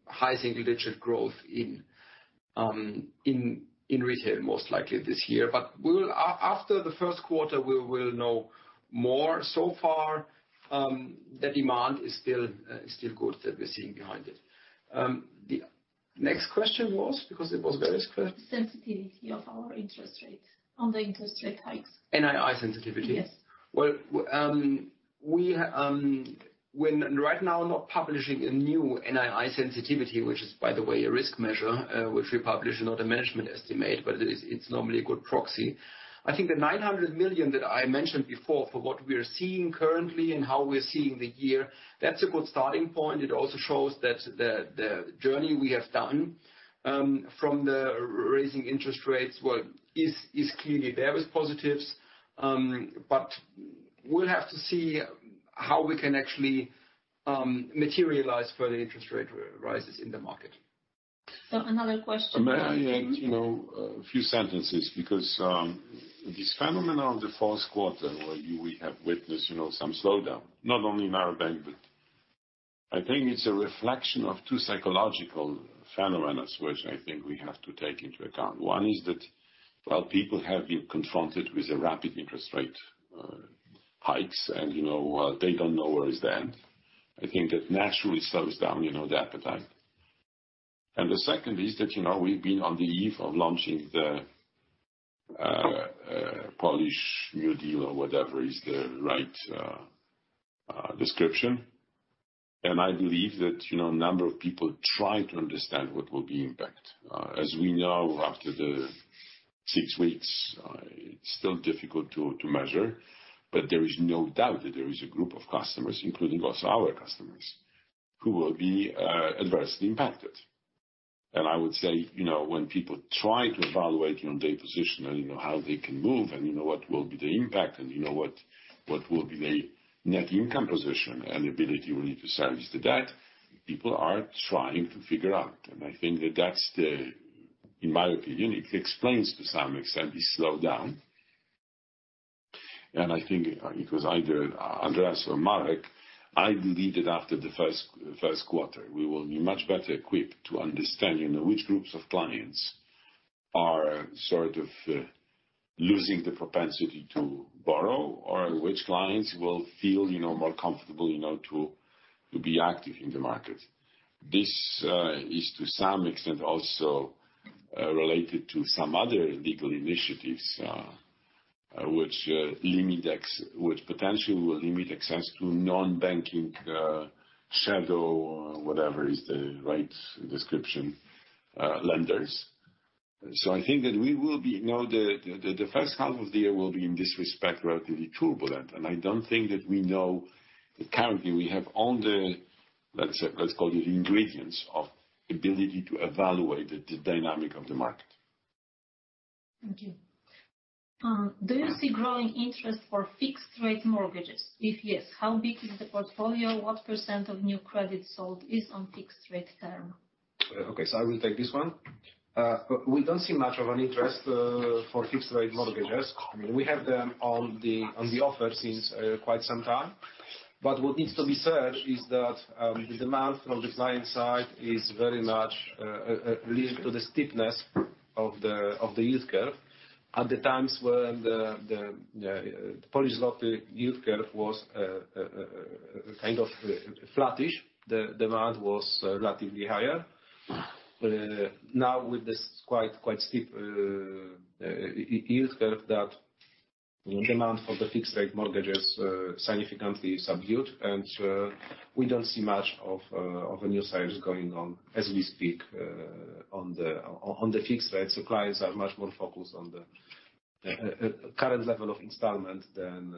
high single-digit% growth in retail, most likely this year. After the first quarter, we will know more. So far, the demand is still good that we're seeing behind it. Next question was? Because it was very clear. Sensitivity of our interest rate on the interest rate hikes. NII sensitivity? Yes. Well, right now, we're not publishing a new NII sensitivity, which is, by the way, a risk measure, which we publish, not a management estimate, but it's normally a good proxy. I think the 900 million that I mentioned before for what we are seeing currently and how we're seeing the year, that's a good starting point. It also shows that the journey we have done from the rising interest rates, well, is clearly there with positives. We'll have to see how we can actually materialize further interest rate rises in the market. Another question- May I add, you know, a few sentences because this phenomenon of the fourth quarter where we have witnessed, you know, some slowdown, not only in our bank, but I think it's a reflection of two psychological phenomena, which I think we have to take into account. One is that people have been confronted with a rapid interest rate hikes, and, you know, they don't know where the end is. I think that naturally slows down, you know, the appetite. The second is that, you know, we've been on the eve of launching the Polish Deal or whatever is the right description. I believe that, you know, a number of people try to understand what the impact will be. As we know, after the six weeks, it's still difficult to measure, but there is no doubt that there is a group of customers, including also our customers, who will be adversely impacted. I would say, you know, when people try to evaluate, you know, their position and you know, how they can move, and you know, what will be the impact, and you know, what will be the net income position and the ability we need to service the debt, people are trying to figure out. I think that that's the. In my opinion, it explains to some extent the slowdown. I think it was either Andreas or Marek. I believe that after the first quarter, we will be much better equipped to understand, you know, which groups of clients are sort of losing the propensity to borrow or which clients will feel, you know, more comfortable, you know, to be active in the market. This is to some extent also related to some other legal initiatives, which potentially will limit access to non-banking shadow, whatever is the right description, lenders. I think that we will be. You know, the first half of the year will be, in this respect, relatively turbulent. I don't think that we know. Currently, we have all the, let's call it ingredients of ability to evaluate the dynamic of the market. Thank you. Do you see growing interest for fixed rate mortgages? If yes, how big is the portfolio? What % of new credit sold is on fixed rate term? Okay, I will take this one. We don't see much of an interest for fixed rate mortgages. I mean, we have them on the offer since quite some time. What needs to be said is that the demand from the client side is very much linked to the steepness of the yield curve. At the times when the Polish 10-year yield curve was kind of flattish, the demand was relatively higher. Now with this quite steep yield curve, that demand for fixed rate mortgages significantly subdued. We don't see much of a new sales going on as we speak, on the fixed rate. Clients are much more focused on the current level of installment than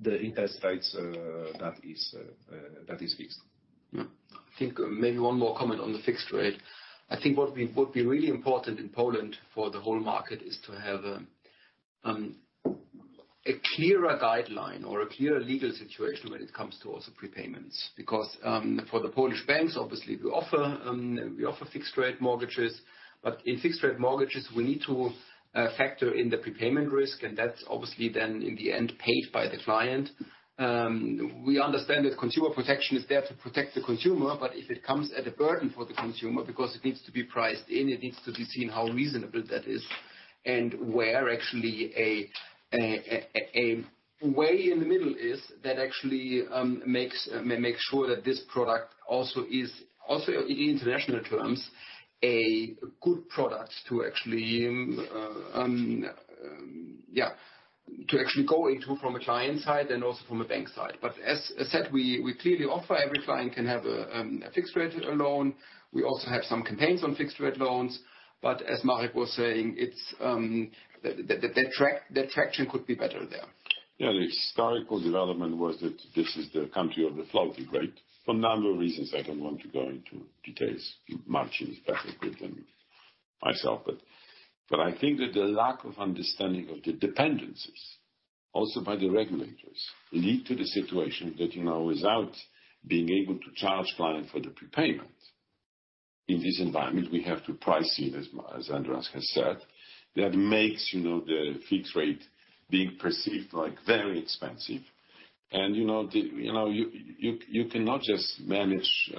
the interest rates that is fixed. I think maybe one more comment on the fixed rate. I think would be really important in Poland for the whole market is to have a clearer guideline or a clearer legal situation when it comes to also prepayments. Because, for the Polish banks, obviously, we offer fixed rate mortgages, but in fixed rate mortgages, we need to factor in the prepayment risk, and that's obviously then in the end, paid by the client. We understand that consumer protection is there to protect the consumer, but if it comes at a burden for the consumer because it needs to be priced in, it needs to be seen how reasonable that is and where actually a way in the middle is that actually to actually go into from a client side and also from a bank side. As I said, we clearly offer, every client can have a fixed rate loan. We also have some campaigns on fixed rate loans. As Marek was saying, it's that traction could be better there. Yeah. The historical development was that this is the country of the floating rate for a number of reasons I don't want to go into details. Marcin is better equipped than myself. I think that the lack of understanding of the dependencies, also by the regulators, lead to the situation that, you know, without being able to charge client for the prepayment in this environment, we have to price it, as Andreas has said. That makes, you know, the fixed rate being perceived, like, very expensive. You know, you cannot just manage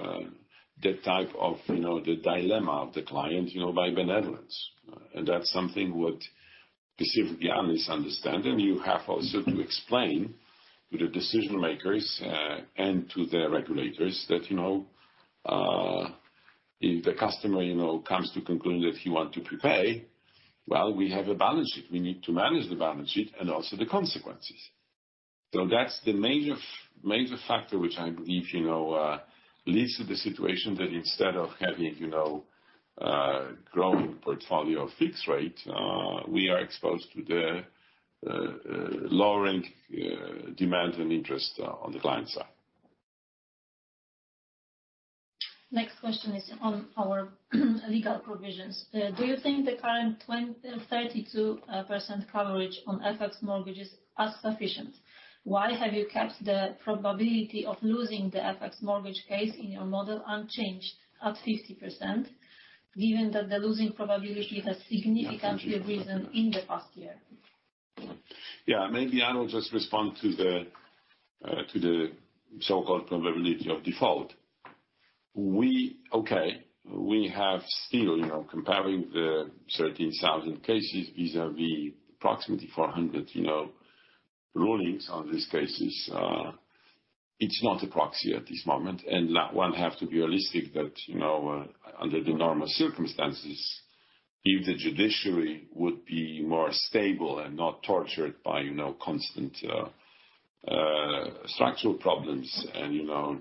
the type of dilemma of the client, you know, by benevolence. That's something what specifically I misunderstand, and you have also to explain to the decision makers and to the regulators that, you know, if the customer, you know, comes to conclude that he want to prepay, well, we have a balance sheet. We need to manage the balance sheet and also the consequences. That's the major factor which I believe, you know, leads to the situation that instead of having, you know, growing portfolio of fixed rate, we are exposed to the lowering demand and interest on the client side. Next question is on our legal provisions. Do you think the current 32% coverage on FX mortgages are sufficient? Why have you kept the probability of losing the FX mortgage case in your model unchanged at 50%, given that the losing probability has significantly risen in the past year? Yeah. Maybe I will just respond to the so-called probability of default. Okay, we have still, you know, comparing the 13,000 cases vis-à-vis approximately 400, you know, rulings on these cases. It's not a proxy at this moment. One have to be realistic that, you know, under the normal circumstances, if the judiciary would be more stable and not tortured by, you know, constant structural problems and, you know,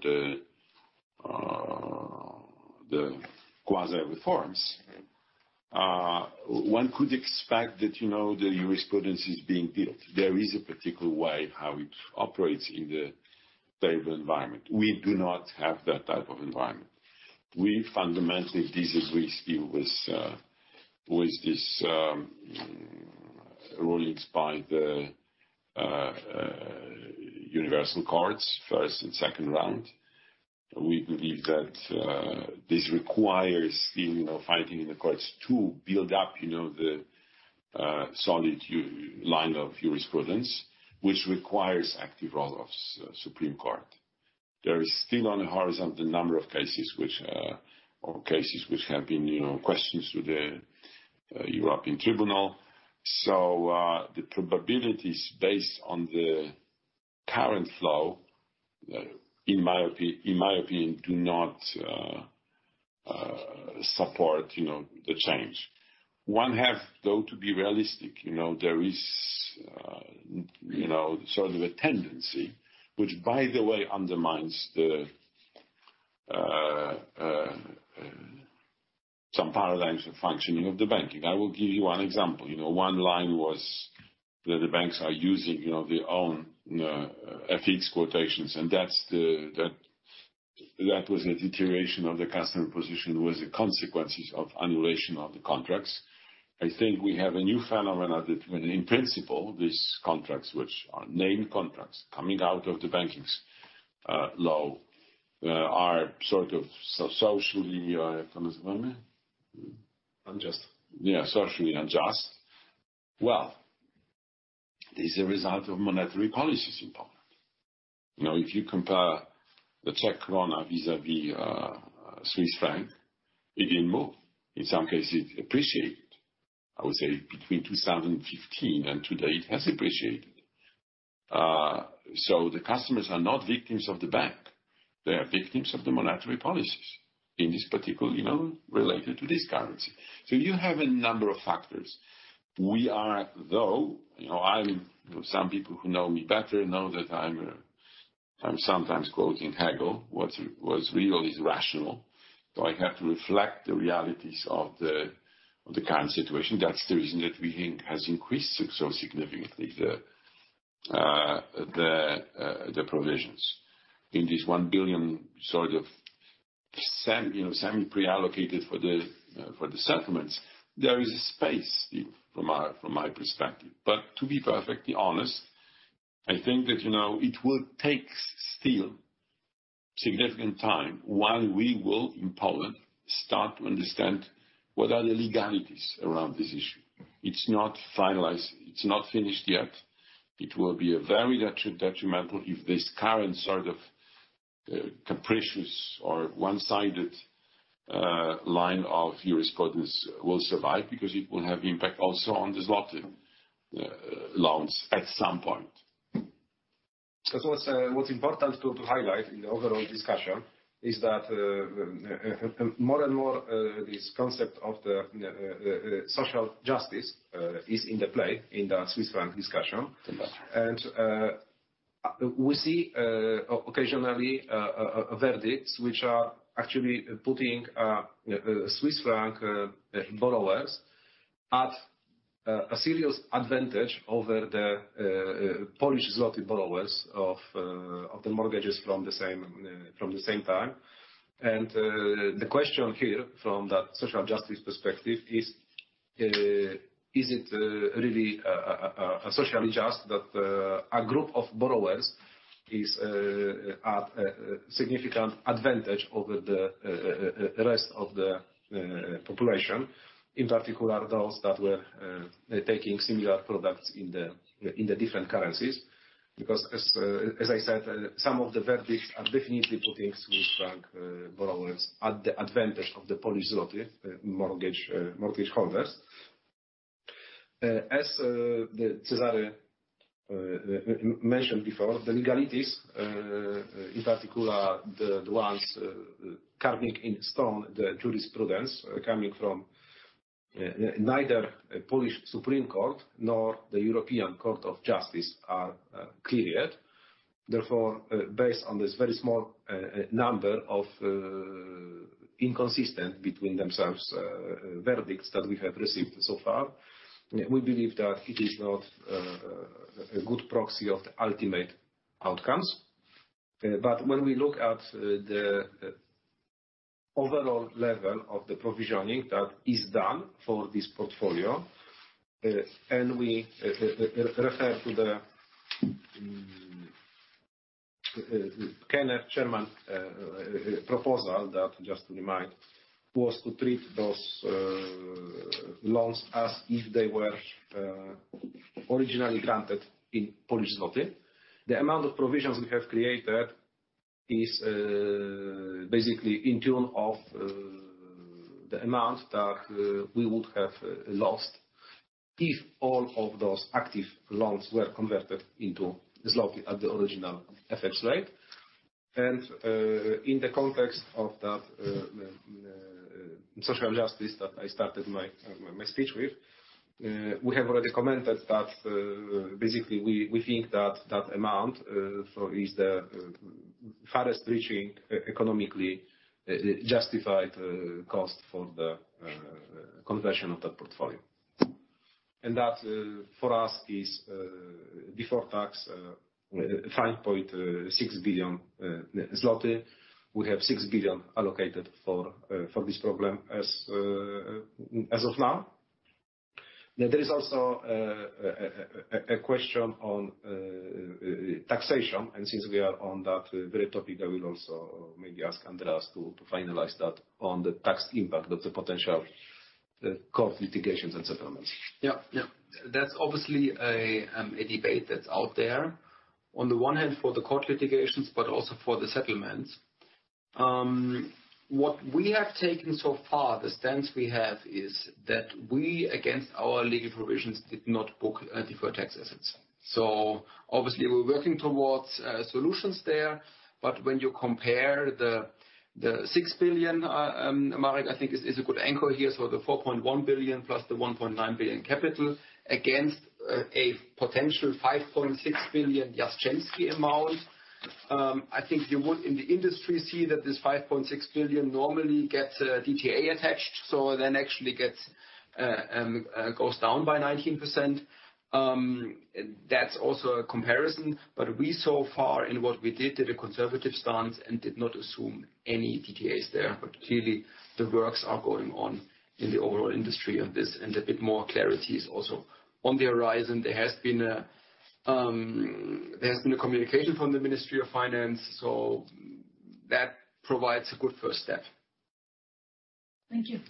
the quasi reforms, one could expect that, you know, the jurisprudence is being built. There is a particular way how it operates in the stable environment. We do not have that type of environment. We fundamentally disagree still with this rulings by the universal courts, first and second round. We believe that this requires still, you know, fighting in the courts to build up, you know, the solid line of jurisprudence, which requires active role of Supreme Court. There is still on the horizon the number of cases which have been questions to the European Tribunal. The probabilities based on the current law, in my opinion, do not support, you know, the change. One have, though, to be realistic, you know. There is, you know, sort of a tendency which, by the way, undermines some paradigms of functioning of the banking. I will give you one example. You know, one line was that the banks are using, you know, their own FX quotations, and that's the... That was a deterioration of the customer position with the consequences of annulment of the contracts. I think we have a new phenomenon that when in principle, these contracts, which are named contracts coming out of the banking law, are sort of socially, Unjust. Yeah, socially unjust. Well, it is a result of monetary policies in Poland. You know, if you compare the Czech koruna vis-à-vis Swiss franc, it didn't move. In some cases it appreciated. I would say between 2015 and today, it has appreciated. So the customers are not victims of the bank. They are victims of the monetary policies in this particular, you know, related to this currency. So you have a number of factors. We are, though, you know, I'm, some people who know me better know that I'm sometimes quoting Hegel, what's real is rational. So I have to reflect the realities of the current situation. That's the reason that we think has increased so significantly the provisions. In this 1 billion sort of, you know, semi pre-allocated for the settlements, there is a space from my perspective. To be perfectly honest, I think that, you know, it will take still significant time while we will, in Poland, start to understand what are the legalities around this issue. It's not finalized. It's not finished yet. It will be very detrimental if this current sort of capricious or one-sided line of jurisprudence will survive because it will have impact also on the zloty loans at some point. What's important to highlight in the overall discussion is that more and more this concept of the social justice is at play in the Swiss franc discussion. Mm-hmm. We see occasionally verdicts which are actually putting Swiss franc borrowers at a serious advantage over the Polish zloty borrowers of the mortgages from the same time. The question here from that social justice perspective is it really socially just that a group of borrowers is at a significant advantage over the rest of the population, in particular those that were taking similar products in the different currencies? Because as I said, some of the verdicts are definitely putting Swiss franc borrowers at the advantage of the Polish zloty mortgage holders. As Cezary Stypułkowski mentioned before, the legalities, in particular the ones carving in stone the jurisprudence coming from neither the Supreme Court of Poland nor the Court of Justice of the European Union are cleared. Therefore, based on this very small number of inconsistent between themselves verdicts that we have received so far, we believe that it is not a good proxy of the ultimate outcomes. When we look at the overall level of the provisioning that is done for this portfolio, and we refer to the KNF chairman proposal that, just to remind, was to treat those loans as if they were originally granted in Polish zloty. The amount of provisions we have created is basically to the tune of the amount that we would have lost if all of those active loans were converted into zloty at the original FX rate. In the context of that social justice that I started my speech with, we have already commented that basically we think that that amount is the farthest-reaching economically justified cost for the conversion of that portfolio. That for us is before tax 5.6 billion zloty. We have 6 billion allocated for this program as of now. Now, there is also a question on taxation. Since we are on that very topic, I will also maybe ask Andreas to finalize that on the tax impact of the potential court litigations and settlements. Yeah. Yeah. That's obviously a debate that's out there. On the one hand, for the court litigations, but also for the settlements. What we have taken so far, the stance we have is that we, against our legal provisions, did not book any deferred tax assets. Obviously we're working towards solutions there. When you compare the 6 billion, Marek, I think is a good anchor here. The 4.1 billion plus the 1.9 billion capital against a potential 5.6 billion Jastrzębski amount. I think you would in the industry see that this 5.6 billion normally gets DTA attached, so then actually goes down by 19%. That's also a comparison. We so far in what we did a conservative stance and did not assume any DTAs there. Clearly the works are going on in the overall industry of this and a bit more clarity is also on the horizon. There has been a communication from the Ministry of Finance, so that provides a good first step. Thank you.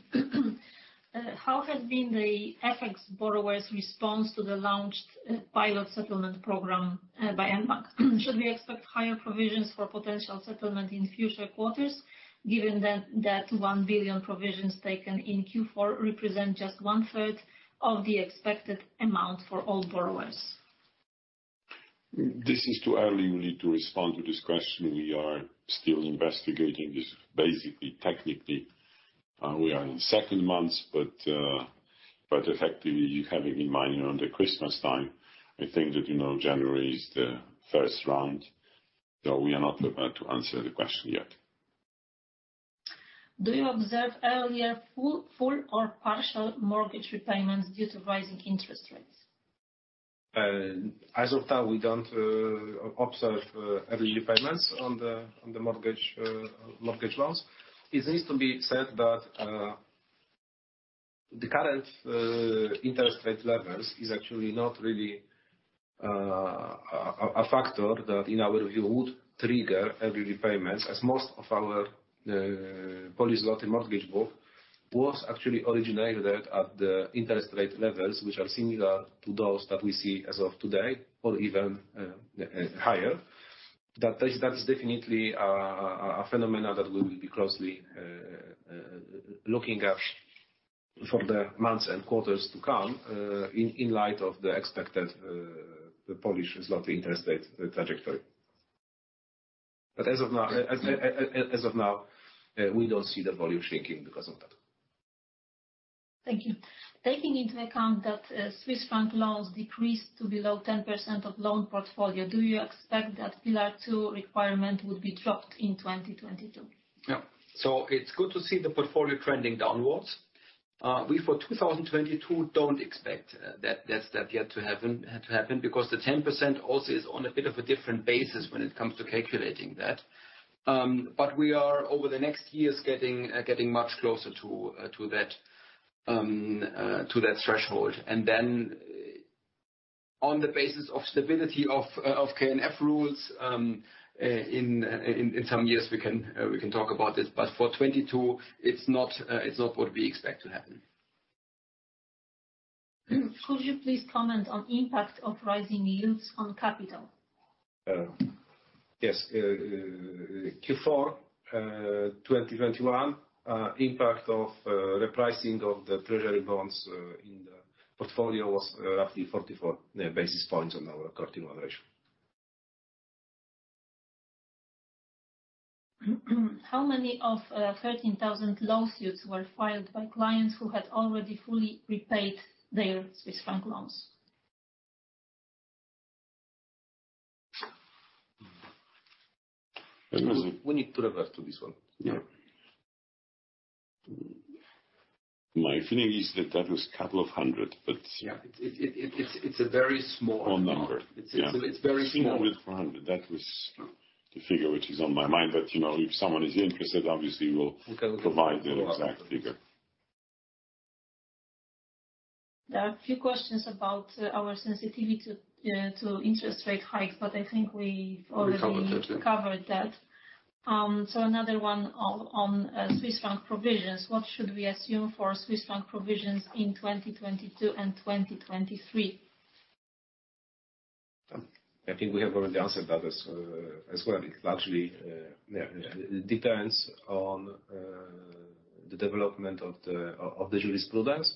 How has been the FX borrowers response to the launched pilot settlement program by mBank? Should we expect higher provisions for potential settlement in future quarters, given that one billion provisions taken in Q4 represent just one-third of the expected amount for all borrowers? This is too early, really, to respond to this question. We are still investigating this. Basically, technically, we are in second month. Effectively, having in mind, you know, the Christmas time, I think that, you know, January is the first round. We are not prepared to answer the question yet. Do you observe earlier full or partial mortgage repayments due to rising interest rates? As of now, we don't observe early repayments on the mortgage loans. It needs to be said that the current interest rate levels is actually not really a factor that, in our view, would trigger early repayments, as most of our Polish zloty mortgage book was actually originated at the interest rate levels, which are similar to those that we see as of today or even higher. That is definitely a phenomenon that we will be closely looking at for the months and quarters to come, in light of the expected Polish zloty interest rate trajectory. As of now, we don't see the volume shrinking because of that. Thank you. Taking into account that Swiss franc loans decreased to below 10% of loan portfolio, do you expect that Pillar 2 requirement would be dropped in 2022? Yeah. It's good to see the portfolio trending downwards. We for 2022 don't expect that yet to happen because the 10% also is on a bit of a different basis when it comes to calculating that. We are over the next years getting much closer to that threshold. Then on the basis of stability of KNF rules in some years we can talk about this. For 2022 it's not what we expect to happen. Could you please comment on impact of rising yields on capital? Yes. Q4 2021 impact of repricing of the treasury bonds in the portfolio was roughly 44 basis points on our CET1 ratio. How many of 13,000 lawsuits were filed by clients who had already fully repaid their Swiss franc loans? We need to revert to this one. Yeah. My feeling is that was a couple of 100, but- Yeah. It's a very small- Small number. It's very small. 100. That was the figure which is on my mind. You know, if someone is interested, obviously we'll provide the exact figure. There are a few questions about our sensitivity to interest rate hikes, but I think we've already. We covered it, yeah. Covered that. Another one on Swiss franc provisions. What should we assume for Swiss franc provisions in 2022 and 2023? I think we have already answered that as well. It largely depends on the development of the jurisprudence.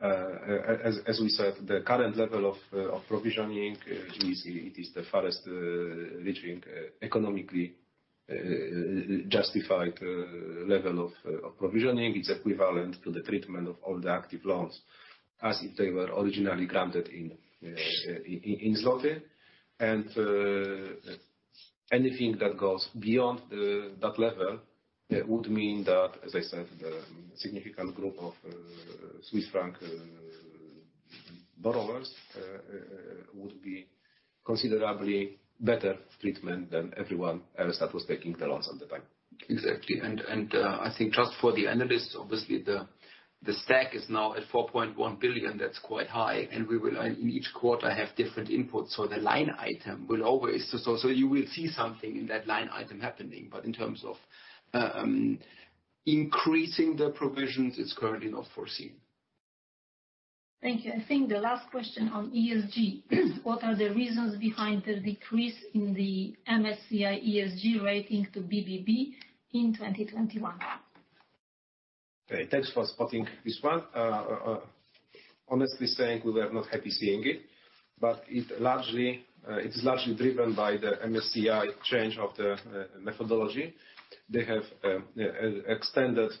As we said, the current level of provisioning, it is the farthest reaching economically justified level of provisioning. It's equivalent to the treatment of all the active loans as if they were originally granted in zloty. Anything that goes beyond that level would mean that, as I said, the significant group of Swiss franc borrowers would be considerably better treatment than everyone else that was taking the loans at the time. Exactly. I think just for the analysts, obviously the stack is now at 4.1 billion. That's quite high. We will in each quarter have different inputs. You will see something in that line item happening. In terms of increasing the provisions, it's currently not foreseen. Thank you. I think the last question on ESG. What are the reasons behind the decrease in the MSCI ESG rating to BBB in 2021? Okay, thanks for spotting this one. Honestly saying, we were not happy seeing it, but it is largely driven by the MSCI change of the methodology. They have extended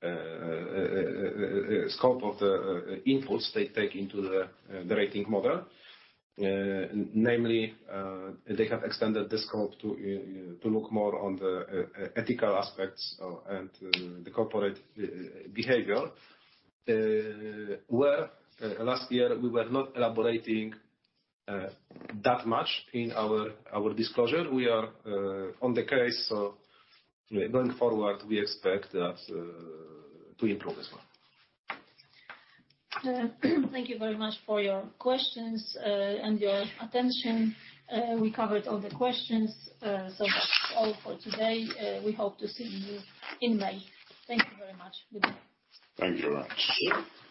the scope of the inputs they take into the rating model. Namely, they have extended the scope to look more on the ethical aspects and the corporate behavior, where last year we were not elaborating that much in our disclosure. We are on the case, so going forward we expect that to improve as well. Thank you very much for your questions, and your attention. We covered all the questions. That's all for today. We hope to see you in May. Thank you very much. Goodbye. Thank you very much.